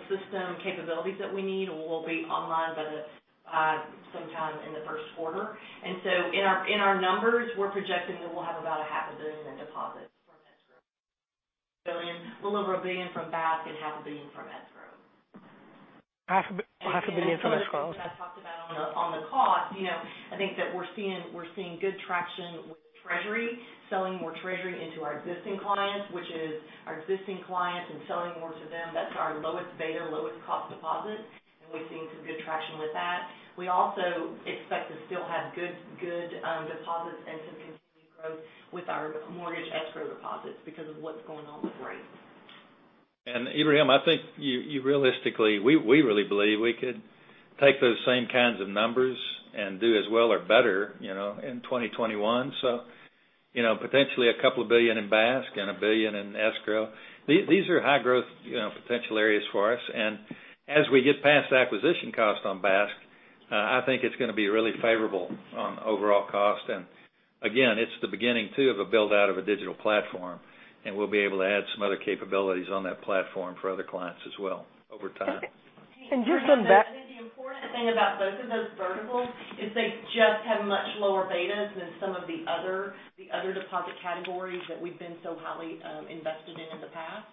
S4: system capabilities that we need will be online by sometime in the first quarter. In our numbers, we're projecting that we'll have about $0.5 billion in deposits from escrow. Little over a billion from Bask and $0.5 billion from escrow.
S7: $0.5 billion from escrow.
S4: Some of the things that I talked about on the cost, I think that we're seeing good traction with Treasury, selling more Treasury into our existing clients, which is our existing clients and selling more to them. That's our lowest beta, lowest cost deposit, and we've seen some good traction with that. We also expect to still have good deposits and some continued growth with our mortgage escrow deposits because of what's going on with rates.
S3: Ebrahim, I think you realistically, we really believe we could take those same kinds of numbers and do as well or better in 2021. Potentially a couple of billion in Bask and $1 billion in escrow. These are high growth potential areas for us. As we get past acquisition cost on Bask, I think it's going to be really favorable on overall cost. Again, it's the beginning too of a build-out of a digital platform, and we'll be able to add some other capabilities on that platform for other clients as well over time.
S7: And just on back.
S4: I think the important thing about both of those verticals is they just have much lower betas than some of the other deposit categories that we've been so highly invested in in the past.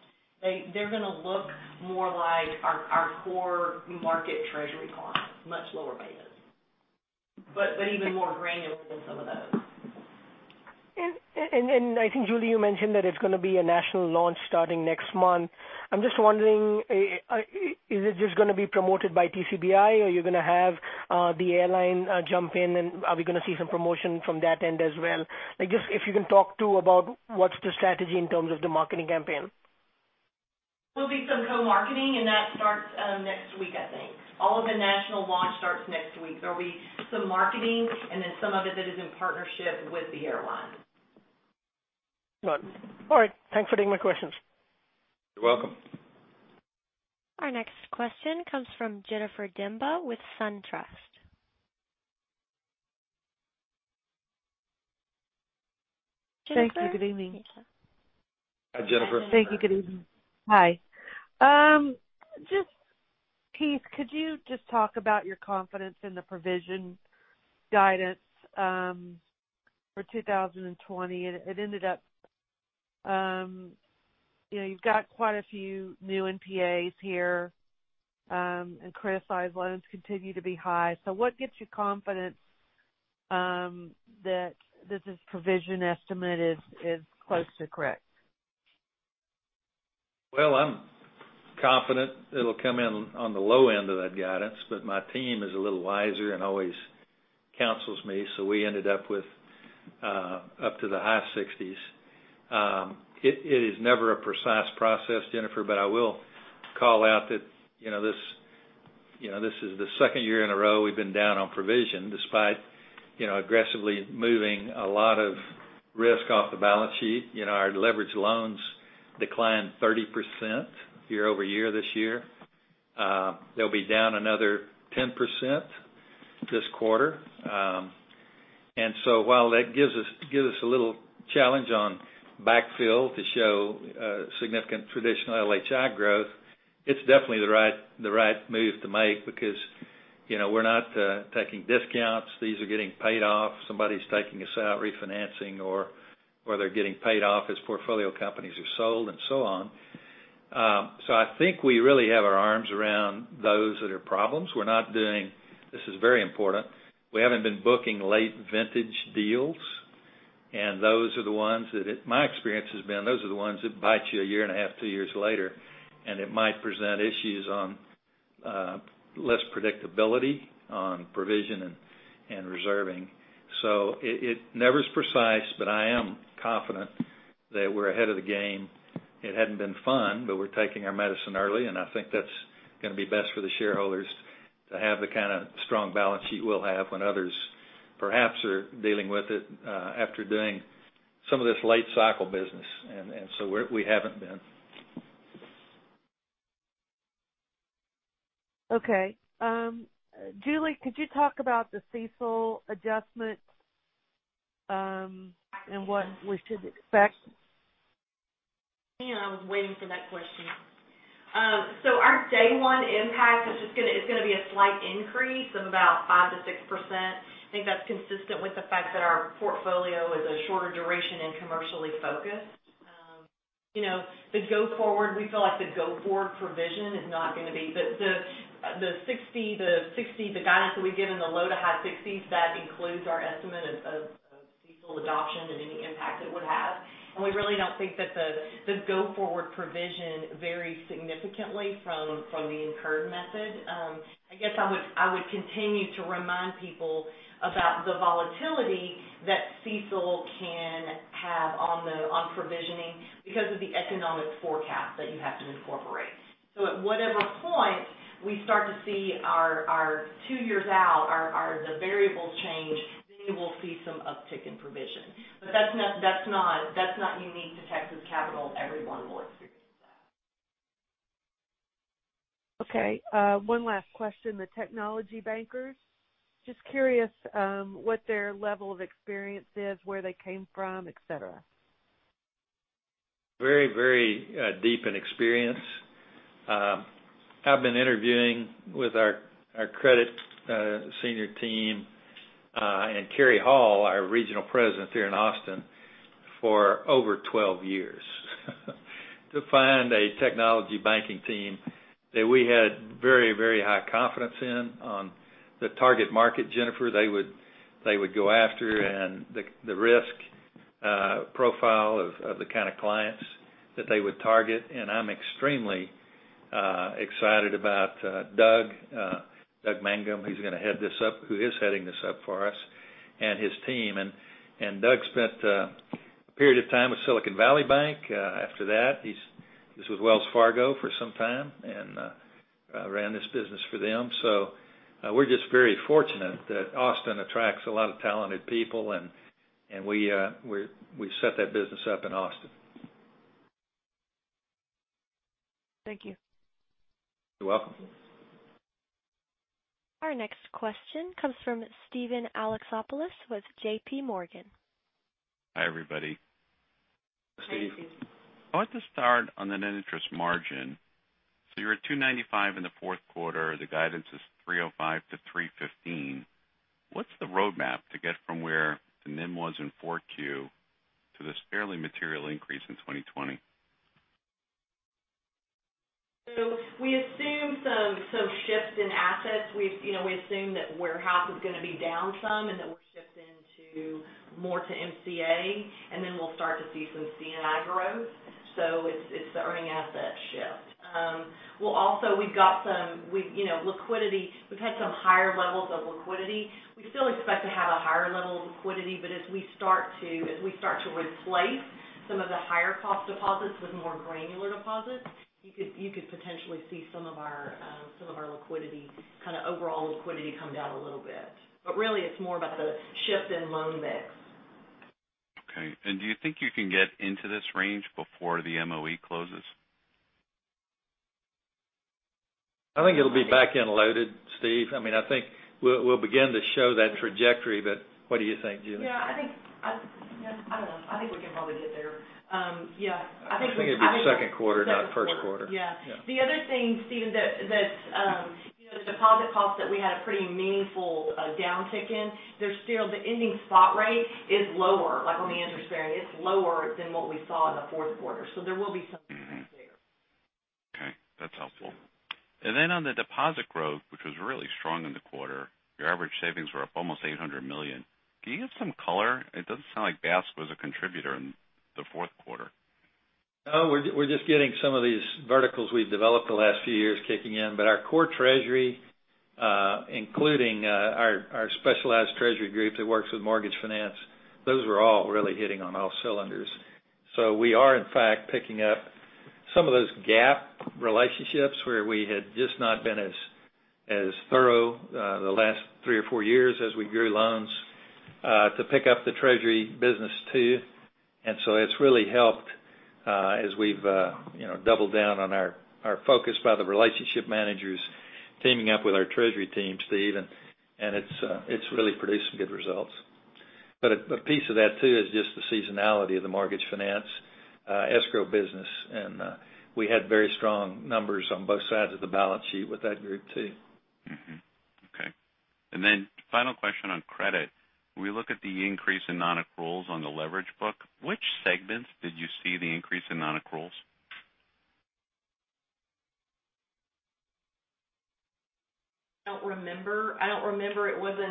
S4: They're going to look more like our core market treasury clients, much lower betas. Even more granular than some of those.
S7: I think, Julie, you mentioned that it's going to be a national launch starting next month. I'm just wondering, is it just going to be promoted by TCBI, or you're going to have the airline jump in, and are we going to see some promotion from that end as well? Just if you can talk too about what's the strategy in terms of the marketing campaign.
S4: There'll be some co-marketing, and that starts next week, I think. All of the national launch starts next week. There'll be some marketing and then some of it that is in partnership with the airlines.
S7: Got it. All right. Thanks for taking my questions.
S3: You're welcome.
S1: Our next question comes from Jennifer Demba with SunTrust. Jennifer?
S8: Thank you. Good evening.
S3: Hi, Jennifer.
S8: Thank you. Good evening. Hi. Just, Keith, could you just talk about your confidence in the provision guidance for 2020? It ended up, you've got quite a few new NPAs here, and criticized loans continue to be high. What gets you confident that this provision estimate is close to correct?
S3: I'm confident it'll come in on the low end of that guidance, but my team is a little wiser and always counsels me, so we ended up with up to the high 60s. It is never a precise process, Jennifer, but I will call out that this is the second year in a row we've been down on provision despite aggressively moving a lot of risk off the balance sheet. Our leverage loans declined 30% year-over-year this year. They'll be down another 10% this quarter. While that gives us a little challenge on backfill to show significant traditional LHI growth, it's definitely the right move to make because we're not taking discounts. These are getting paid off. Somebody's taking us out refinancing or they're getting paid off as portfolio companies are sold and so on. I think we really have our arms around those that are problems. This is very important, we haven't been booking late vintage deals, and those are the ones that, my experience has been, those are the ones that bite you a year and a half, two years later, and it might present issues on less predictability on provision and reserving. It never is precise, but I am confident that we're ahead of the game. It hadn't been fun, but we're taking our medicine early, and I think that's going to be best for the shareholders to have the kind of strong balance sheet we'll have when others perhaps are dealing with it after doing some of this late cycle business, and so we haven't been.
S8: Okay. Julie, could you talk about the CECL adjustment, and what we should expect?
S4: I was waiting for that question. Our day one impact is going to be a slight increase of about 5%-6%. I think that's consistent with the fact that our portfolio is a shorter duration and commercially focused. We feel like the go-forward provision is not going to be the guidance that we've given, the low to high 60s, that includes our estimate of CECL adoption and any impact it would have. We really don't think that the go-forward provision varies significantly from the incurred method. I guess I would continue to remind people about the volatility that CECL can have on provisioning because of the economic forecast that you have to incorporate. At whatever point we start to see our two years out, the variables change, you will see some uptick in provision. That's not unique to Texas Capital. Everyone will experience that.
S8: Okay. One last question. The technology bankers, just curious what their level of experience is, where they came from, et cetera.
S3: Very deep in experience. I've been interviewing with our credit senior team, and Kerry Hall, our Regional President here in Austin, for over 12 years to find a technology banking team that we had very high confidence in on the target market, Jennifer, they would go after, and the risk profile of the kind of clients that they would target, and I'm extremely excited about Doug Mangum, who is heading this up for us, and his team. Doug spent a period of time with Silicon Valley Bank. After that, he was with Wells Fargo for some time and ran this business for them. We're just very fortunate that Austin attracts a lot of talented people, and we set that business up in Austin.
S8: Thank you.
S3: You're welcome.
S1: Our next question comes from Steven Alexopoulos with JPMorgan Chase & Co.
S9: Hi, everybody.
S3: Steve.
S4: Hi, Steve.
S9: I want to start on the net interest margin. You're at 2.95% in the fourth quarter. The guidance is 3.05% to 3.15%. What's the roadmap to get from where the NIM was in 4Q to this fairly material increase in 2020?
S4: We assume some shifts in assets. We assume that warehouse is going to be down some and that we're shifting more to MCA, and then we'll start to see some C&I growth. It's the earning asset shift. We've had some higher levels of liquidity. We still expect to have a higher level of liquidity, but as we start to replace some of the higher cost deposits with more granular deposits, you could potentially see some of our overall liquidity come down a little bit. Really, it's more about the shift in loan mix.
S9: Okay. Do you think you can get into this range before the MOE closes?
S3: I think it'll be back-end loaded, Steve. I think we'll begin to show that trajectory, but what do you think, Julie?
S4: Yeah. I don't know. I think we can probably get there. Yeah.
S3: I think it'd be second quarter, not first quarter.
S4: Second quarter, yeah.
S3: Yeah.
S4: The other thing, Steve, the deposit cost that we had a pretty meaningful downtick in, the ending spot rate is lower. Like on the interest bearing, it's lower than what we saw in the fourth quarter. There will be some there.
S9: Okay, that's helpful. On the deposit growth, which was really strong in the quarter, your average savings were up almost $800 million. Can you give some color? It doesn't sound like Bask was a contributor in the fourth quarter.
S3: We're just getting some of these verticals we've developed the last few years kicking in. Our core treasury, including our specialized treasury group that works with mortgage finance, those were all really hitting on all cylinders. We are, in fact, picking up some of those gap relationships where we had just not been as thorough the last three or four years as we grew loans, to pick up the treasury business too. It's really helped as we've doubled down on our focus by the relationship managers teaming up with our treasury team, Steve, and it's really produced some good results. A piece of that too is just the seasonality of the mortgage finance escrow business. We had very strong numbers on both sides of the balance sheet with that group too.
S9: Okay. Then final question on credit. When we look at the increase in non-accruals on the leverage book, which segments did you see the increase in non-accruals?
S4: I don't remember. I don't remember if that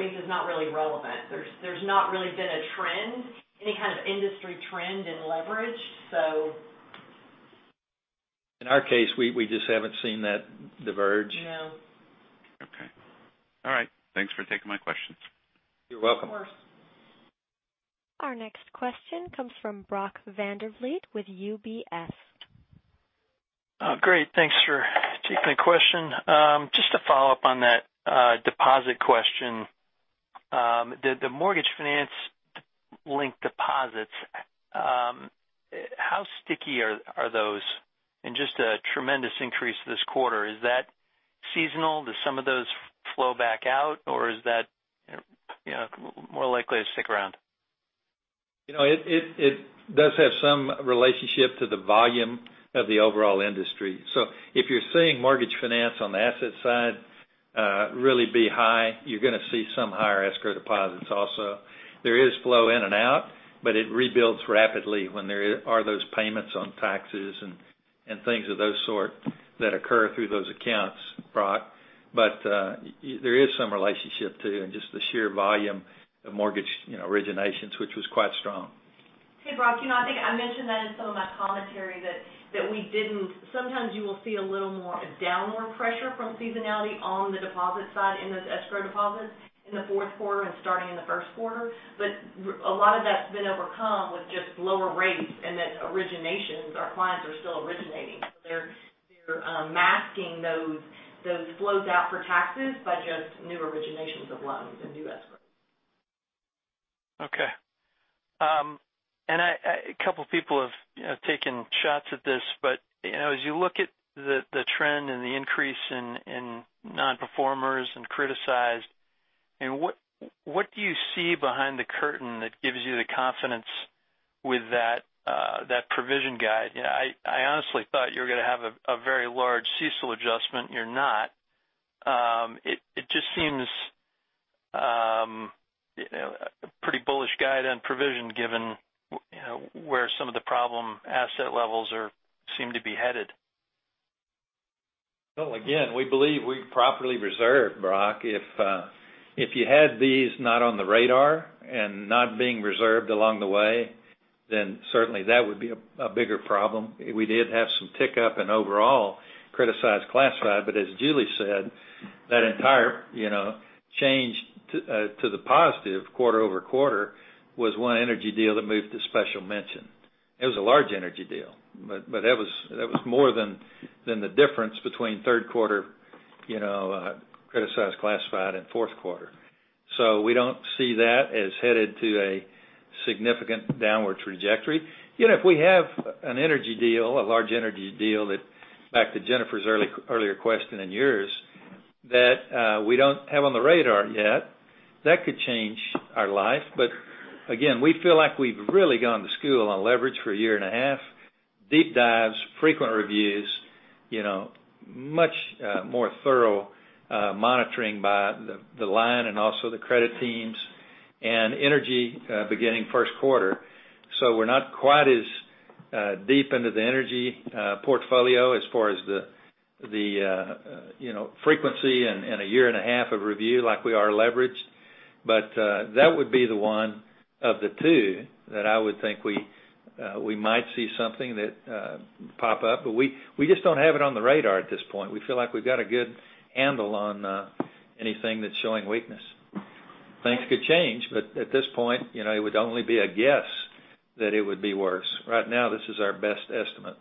S4: means it's not really relevant. There's not really been a trend, any kind of industry trend in leverage.
S3: In our case, we just haven't seen that diverge.
S4: No.
S9: Okay. All right. Thanks for taking my questions.
S3: You're welcome.
S4: Of course.
S1: Our next question comes from Brock Vandervliet with UBS.
S10: Great. Thanks for taking the question. Just to follow up on that deposit question. The mortgage finance linked deposits, how sticky are those? Just a tremendous increase this quarter, is that seasonal? Do some of those flow back out, or is that more likely to stick around?
S3: It does have some relationship to the volume of the overall industry. If you're seeing mortgage finance on the asset side really be high, you're going to see some higher escrow deposits also. There is flow in and out, but it rebuilds rapidly when there are those payments on taxes and things of those sort that occur through those accounts, Brock. There is some relationship too, in just the sheer volume of mortgage originations, which was quite strong.
S4: Hey, Brock, I think I mentioned that in some of my commentary that sometimes you will see a little more downward pressure from seasonality on the deposit side in those escrow deposits in the fourth quarter and starting in the first quarter. A lot of that's been overcome with just lower rates and that originations, our clients are still originating. They're masking those flows out for taxes by just new originations of loans and new escrow.
S10: Okay. A couple of people have taken shots at this. As you look at the trend and the increase in non-performers and criticized, what do you see behind the curtain that gives you the confidence with that provision guide? I honestly thought you were going to have a very large CECL adjustment. You're not. It just seems a pretty bullish guide on provision given where some of the problem asset levels seem to be headed.
S3: Again, we believe we properly reserved, Brock. If you had these not on the radar and not being reserved along the way, then certainly that would be a bigger problem. We did have some tick up in overall criticized classified, but as Julie said, that entire change to the positive quarter-over-quarter was one energy deal that moved to special mention. It was a large energy deal, but that was more than the difference between third quarter criticized classified and fourth quarter. We don't see that as headed to a significant downward trajectory. If we have an energy deal, a large energy deal that, back to Jennifer's earlier question and yours, that we don't have on the radar yet, that could change our life. Again, we feel like we've really gone to school on leverage for a year and a half. Deep dives, frequent reviews, much more thorough monitoring by the line and also the credit teams. Energy beginning first quarter. We're not quite as deep into the energy portfolio as far as the frequency and a year and a half of review like we are leveraged. That would be the one of the two that I would think we might see something that pop up, but we just don't have it on the radar at this point. We feel like we've got a good handle on anything that's showing weakness. Things could change, but at this point, it would only be a guess that it would be worse. Right now, this is our best estimate.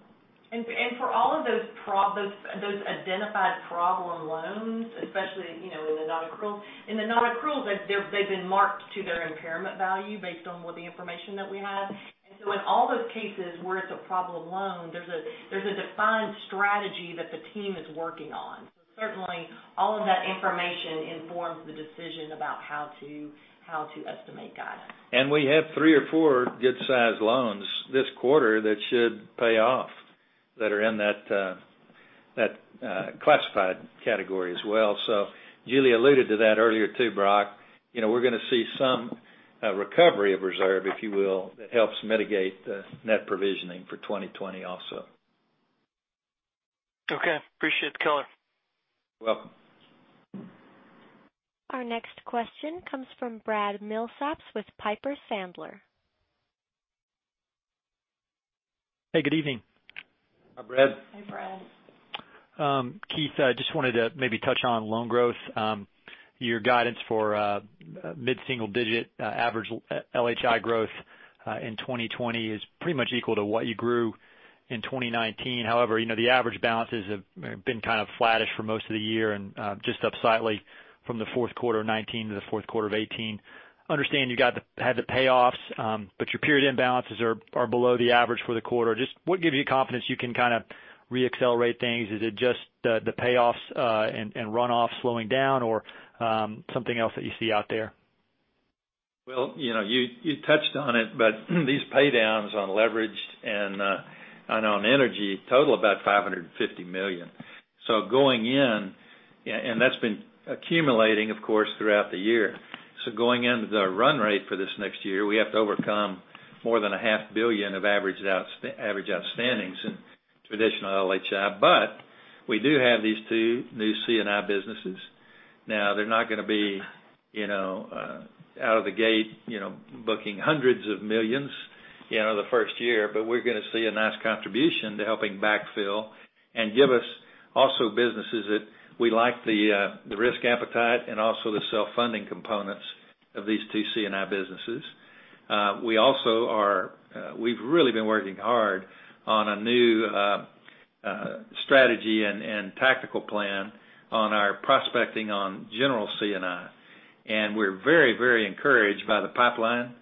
S4: For all of those identified problem loans, especially in the non-accrual, they've been marked to their impairment value based on what the information that we had. In all those cases where it's a problem loan, there's a defined strategy that the team is working on. Certainly all of that information informs the decision about how to estimate guidance.
S3: We have three or four good-sized loans this quarter that should pay off, that are in that classified category as well. Julie alluded to that earlier too, Brock. We're going to see some recovery of reserve, if you will, that helps mitigate the net provisioning for 2020 also.
S10: Okay. Appreciate the color.
S3: You're welcome.
S1: Our next question comes from Brad Milsaps with Piper Sandler.
S11: Hey, good evening.
S3: Hi, Brad.
S4: Hi, Brad.
S11: Keith, just wanted to maybe touch on loan growth. Your guidance for mid-single digit average LHI growth in 2020 is pretty much equal to what you grew in 2019. However, the average balances have been kind of flattish for most of the year and just up slightly from the fourth quarter of 2019 to the fourth quarter of 2018. Understand you had the payoffs, but your period end balances are below the average for the quarter. Just what gives you confidence you can kind of re-accelerate things? Is it just the payoffs and runoffs slowing down or something else that you see out there?
S3: You touched on it, but these paydowns on leveraged and on energy total about $550 million. That's been accumulating, of course, throughout the year. Going into the run rate for this next year, we have to overcome more than $0.5 billion of average outstandings in traditional LHI. We do have these two new C&I businesses. They're not going to be out of the gate booking hundreds of millions the first year, but we're going to see a nice contribution to helping backfill and give us also businesses that we like the risk appetite and also the self-funding components of these two C&I businesses. We've really been working hard on a new strategy and tactical plan on our prospecting on general C&I. We're very encouraged by the pipeline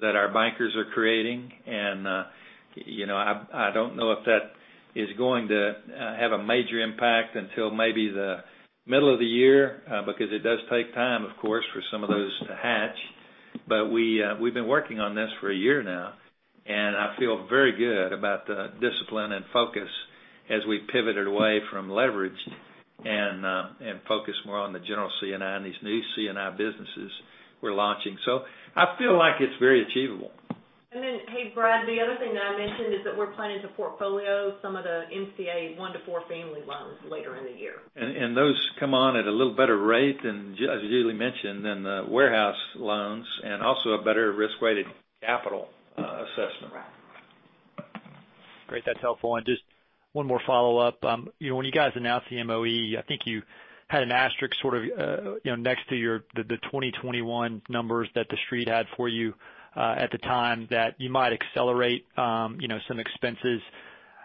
S3: that our bankers are creating, and I don't know if that is going to have a major impact until maybe the middle of the year, because it does take time, of course, for some of those to hatch. We've been working on this for a year now, and I feel very good about the discipline and focus as we pivoted away from leverage and focus more on the general C&I and these new C&I businesses we're launching. I feel like it's very achievable.
S4: Hey, Brad, the other thing that I mentioned is that we're planning to portfolio some of the NCA one to four family loans later in the year.
S3: Those come on at a little better rate than, as Julie mentioned, than the warehouse loans, and also a better risk-weighted capital assessment.
S4: Right.
S11: Great. That's helpful. Just one more follow-up. When you guys announced the MOE, I think you had an asterisk sort of next to the 2021 numbers that The Street had for you at the time that you might accelerate some expenses.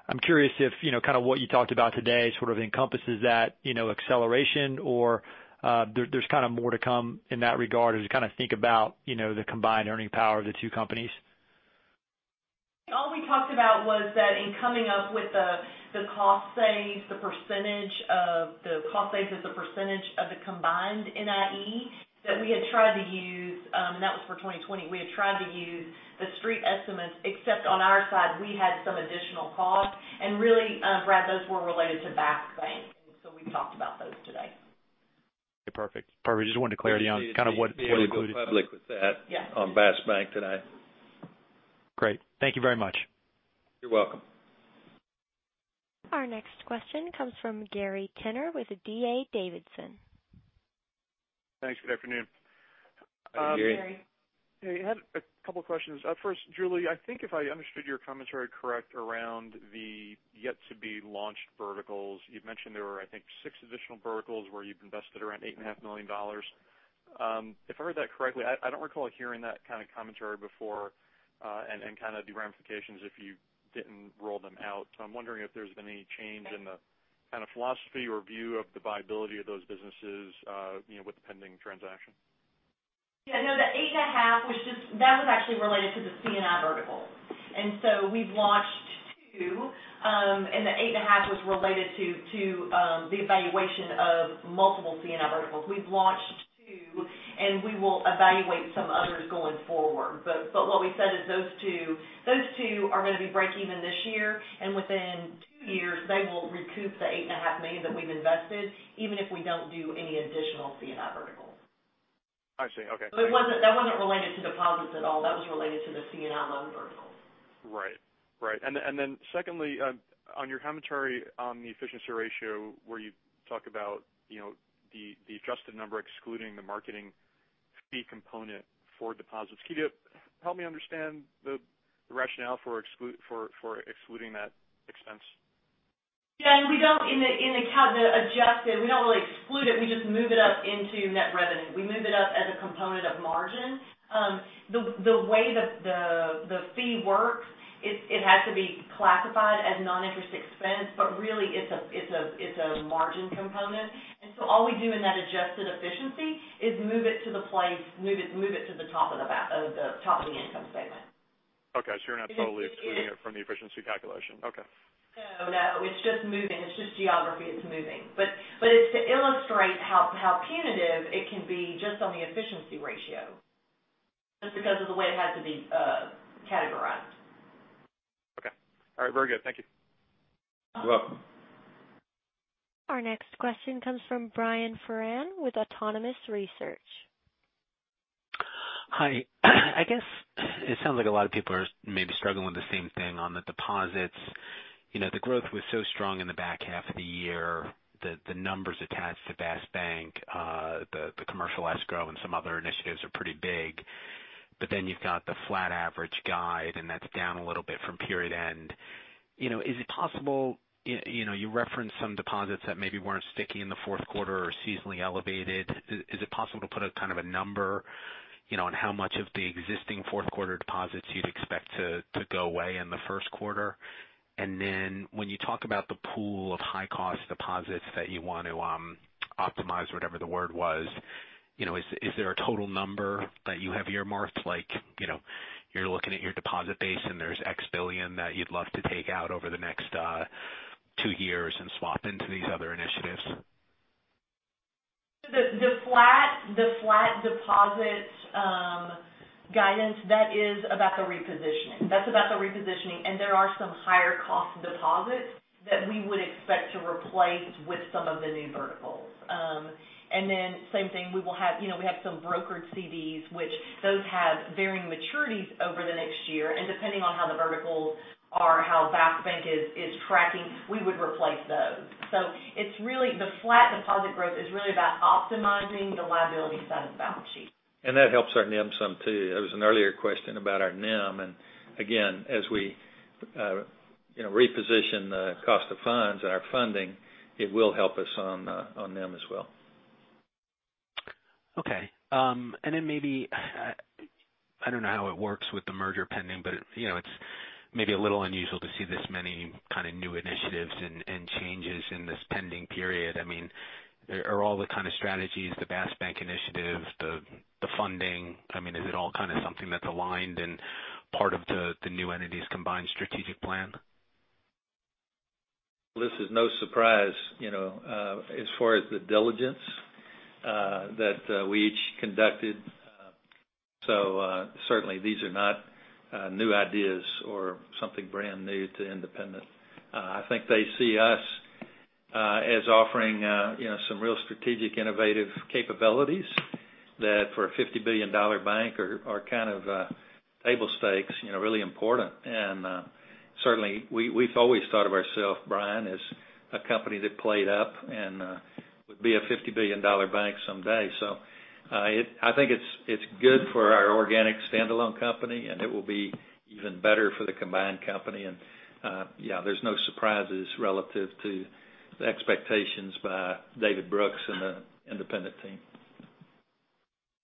S11: I'm curious if kind of what you talked about today sort of encompasses that acceleration or there's kind of more to come in that regard as you kind of think about the combined earning power of the two companies.
S4: All we talked about was that in coming up with the cost saves as a percentage of the combined NIE, and that was for 2020, we had tried to use the Street estimates, except on our side, we had some additional costs. Really, Brad, those were related to Bask Bank. We talked about those today.
S11: Okay, perfect. Just wanted clarity on kind of what it included.
S3: We'll be able to go public with that.
S4: Yeah.
S3: On Bask Bank today.
S11: Great. Thank you very much.
S3: You're welcome.
S1: Our next question comes from Gary Tenner with D.A. Davidson.
S12: Thanks. Good afternoon.
S3: Hi, Gary.
S4: Gary.
S12: Hey. Had a couple questions. Julie, I think if I understood your commentary correct around the yet-to-be-launched verticals, you'd mentioned there were, I think, six additional verticals where you've invested around $8.5 million. If I heard that correctly, I don't recall hearing that kind of commentary before, and kind of the ramifications if you didn't roll them out. I'm wondering if there's been any change in the kind of philosophy or view of the viability of those businesses with the pending transaction.
S4: Yeah, no, the $8.5 million, that was actually related to the C&I verticals. We've launched two, and the $8.5 million was related to the evaluation of multiple C&I verticals. We've launched two, and we will evaluate some others going forward. But what we said is those two are going to be breakeven this year, and within two years, they will recoup the $8.5 million that we've invested, even if we don't do any additional C&I verticals.
S12: I see. Okay.
S4: That wasn't related to deposits at all. That was related to the C&I loan verticals.
S12: Right. Secondly, on your commentary on the efficiency ratio, where you talk about the adjusted number excluding the marketing fee component for deposits. Can you help me understand the rationale for excluding that expense?
S4: Yeah, in the adjusted, we don't really exclude it. We just move it up into net revenue. We move it up as a component of margin. The way the fee works, it has to be classified as non-interest expense, but really, it's a margin component. All we do in that adjusted efficiency is move it to the top of the income statement.
S12: Okay. You're not totally excluding it from the efficiency calculation. Okay.
S4: No, it's just moving. It's just geography. It's moving. It's to illustrate how punitive it can be just on the efficiency ratio, just because of the way it has to be categorized.
S12: Okay. All right. Very good. Thank you.
S3: You're welcome.
S1: Our next question comes from Brian Foran with Autonomous Research.
S13: Hi. I guess it sounds like a lot of people are maybe struggling with the same thing on the deposits. The growth was so strong in the back half of the year that the numbers attached to Bask Bank, the commercial escrow and some other initiatives are pretty big. Then you've got the flat average guide, and that's down a little bit from period end. You referenced some deposits that maybe weren't sticky in the fourth quarter or seasonally elevated. Is it possible to put a kind of a number on how much of the existing fourth quarter deposits you'd expect to go away in the first quarter? When you talk about the pool of high-cost deposits that you want to optimize, whatever the word was, is there a total number that you have earmarked, like you're looking at your deposit base and there's x billion that you'd love to take out over the next two years and swap into these other initiatives?
S4: The flat deposit guidance, that is about the repositioning. That's about the repositioning, and there are some higher cost deposits that we would expect to replace with some of the new verticals. Same thing, we have some brokered CDs, which those have varying maturities over the next year, and depending on how the verticals are, how Bask Bank is tracking, we would replace those. The flat deposit growth is really about optimizing the liability side of the balance sheet.
S3: That helps our NIM some, too. There was an earlier question about our NIM, and again, as we reposition the cost of funds and our funding, it will help us on NIM as well.
S13: Then maybe, I don't know how it works with the merger pending, but it's maybe a little unusual to see this many kind of new initiatives and changes in this pending period. Are all the kind of strategies, the Bask Bank initiatives, the funding, is it all kind of something that's aligned and part of the new entity's combined strategic plan?
S3: This is no surprise as far as the diligence that we each conducted. Certainly these are not new ideas or something brand new to Independent. I think they see us as offering some real strategic, innovative capabilities that for a $50 billion bank are kind of table stakes, really important. Certainly, we've always thought of ourself, Brian, as a company that played up and would be a $50 billion bank someday. I think it's good for our organic standalone company, and it will be even better for the combined company. Yeah, there's no surprises relative to the expectations by David Brooks and the Independent team.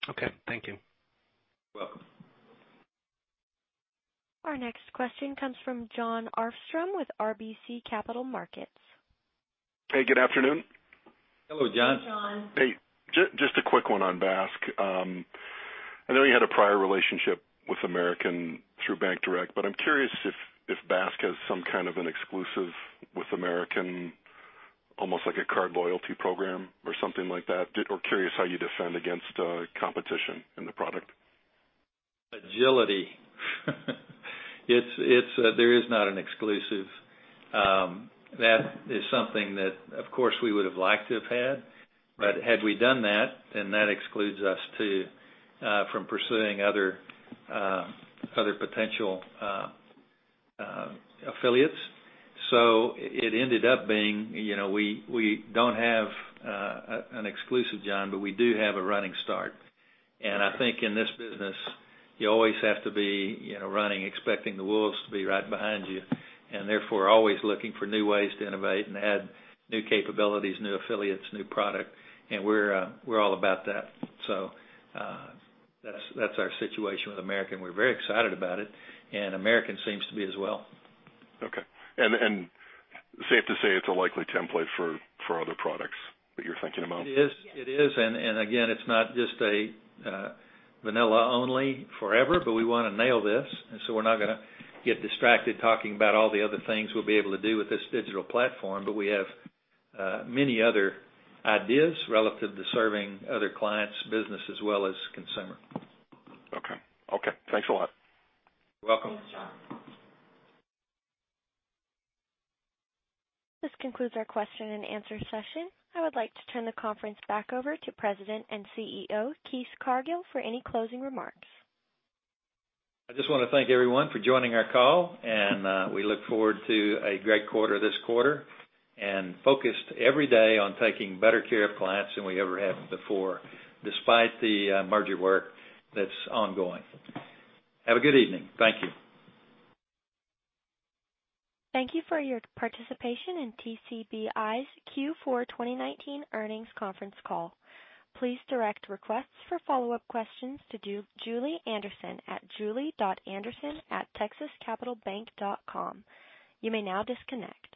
S13: Okay. Thank you.
S3: You're welcome.
S1: Our next question comes from John Arfstrom with RBC Capital Markets.
S14: Hey, good afternoon.
S3: Hello, John.
S4: Hey, John.
S14: Hey, just a quick one on Bask. I know you had a prior relationship with American through BankDirect, but I'm curious if Bask has some kind of an exclusive with American, almost like a card loyalty program or something like that. Curious how you defend against competition in the product.
S3: Agility. There is not an exclusive. That is something that, of course, we would've liked to have had. Had we done that, then that excludes us from pursuing other potential affiliates. It ended up being we don't have an exclusive, John, but we do have a running start. I think in this business, you always have to be running, expecting the wolves to be right behind you, and therefore, always looking for new ways to innovate and add new capabilities, new affiliates, new product. We're all about that. That's our situation with American. We're very excited about it, and American seems to be as well.
S14: Okay. Safe to say it's a likely template for other products that you're thinking about?
S3: It is. Again, it's not just a vanilla only forever, but we want to nail this, so we're not going to get distracted talking about all the other things we'll be able to do with this digital platform. We have many other ideas relative to serving other clients, business as well as consumer.
S14: Okay. Thanks a lot.
S3: You're welcome.
S4: Thanks, John.
S1: This concludes our question and answer session. I would like to turn the conference back over to President and CEO, Keith Cargill, for any closing remarks.
S3: I just want to thank everyone for joining our call, and we look forward to a great quarter this quarter, and focused every day on taking better care of clients than we ever have before, despite the merger work that's ongoing. Have a good evening. Thank you.
S1: Thank you for your participation in TCBI's Q4 2019 earnings conference call. Please direct requests for follow-up questions to Julie Anderson at julie.anderson@texascapitalbank.com. You may now disconnect.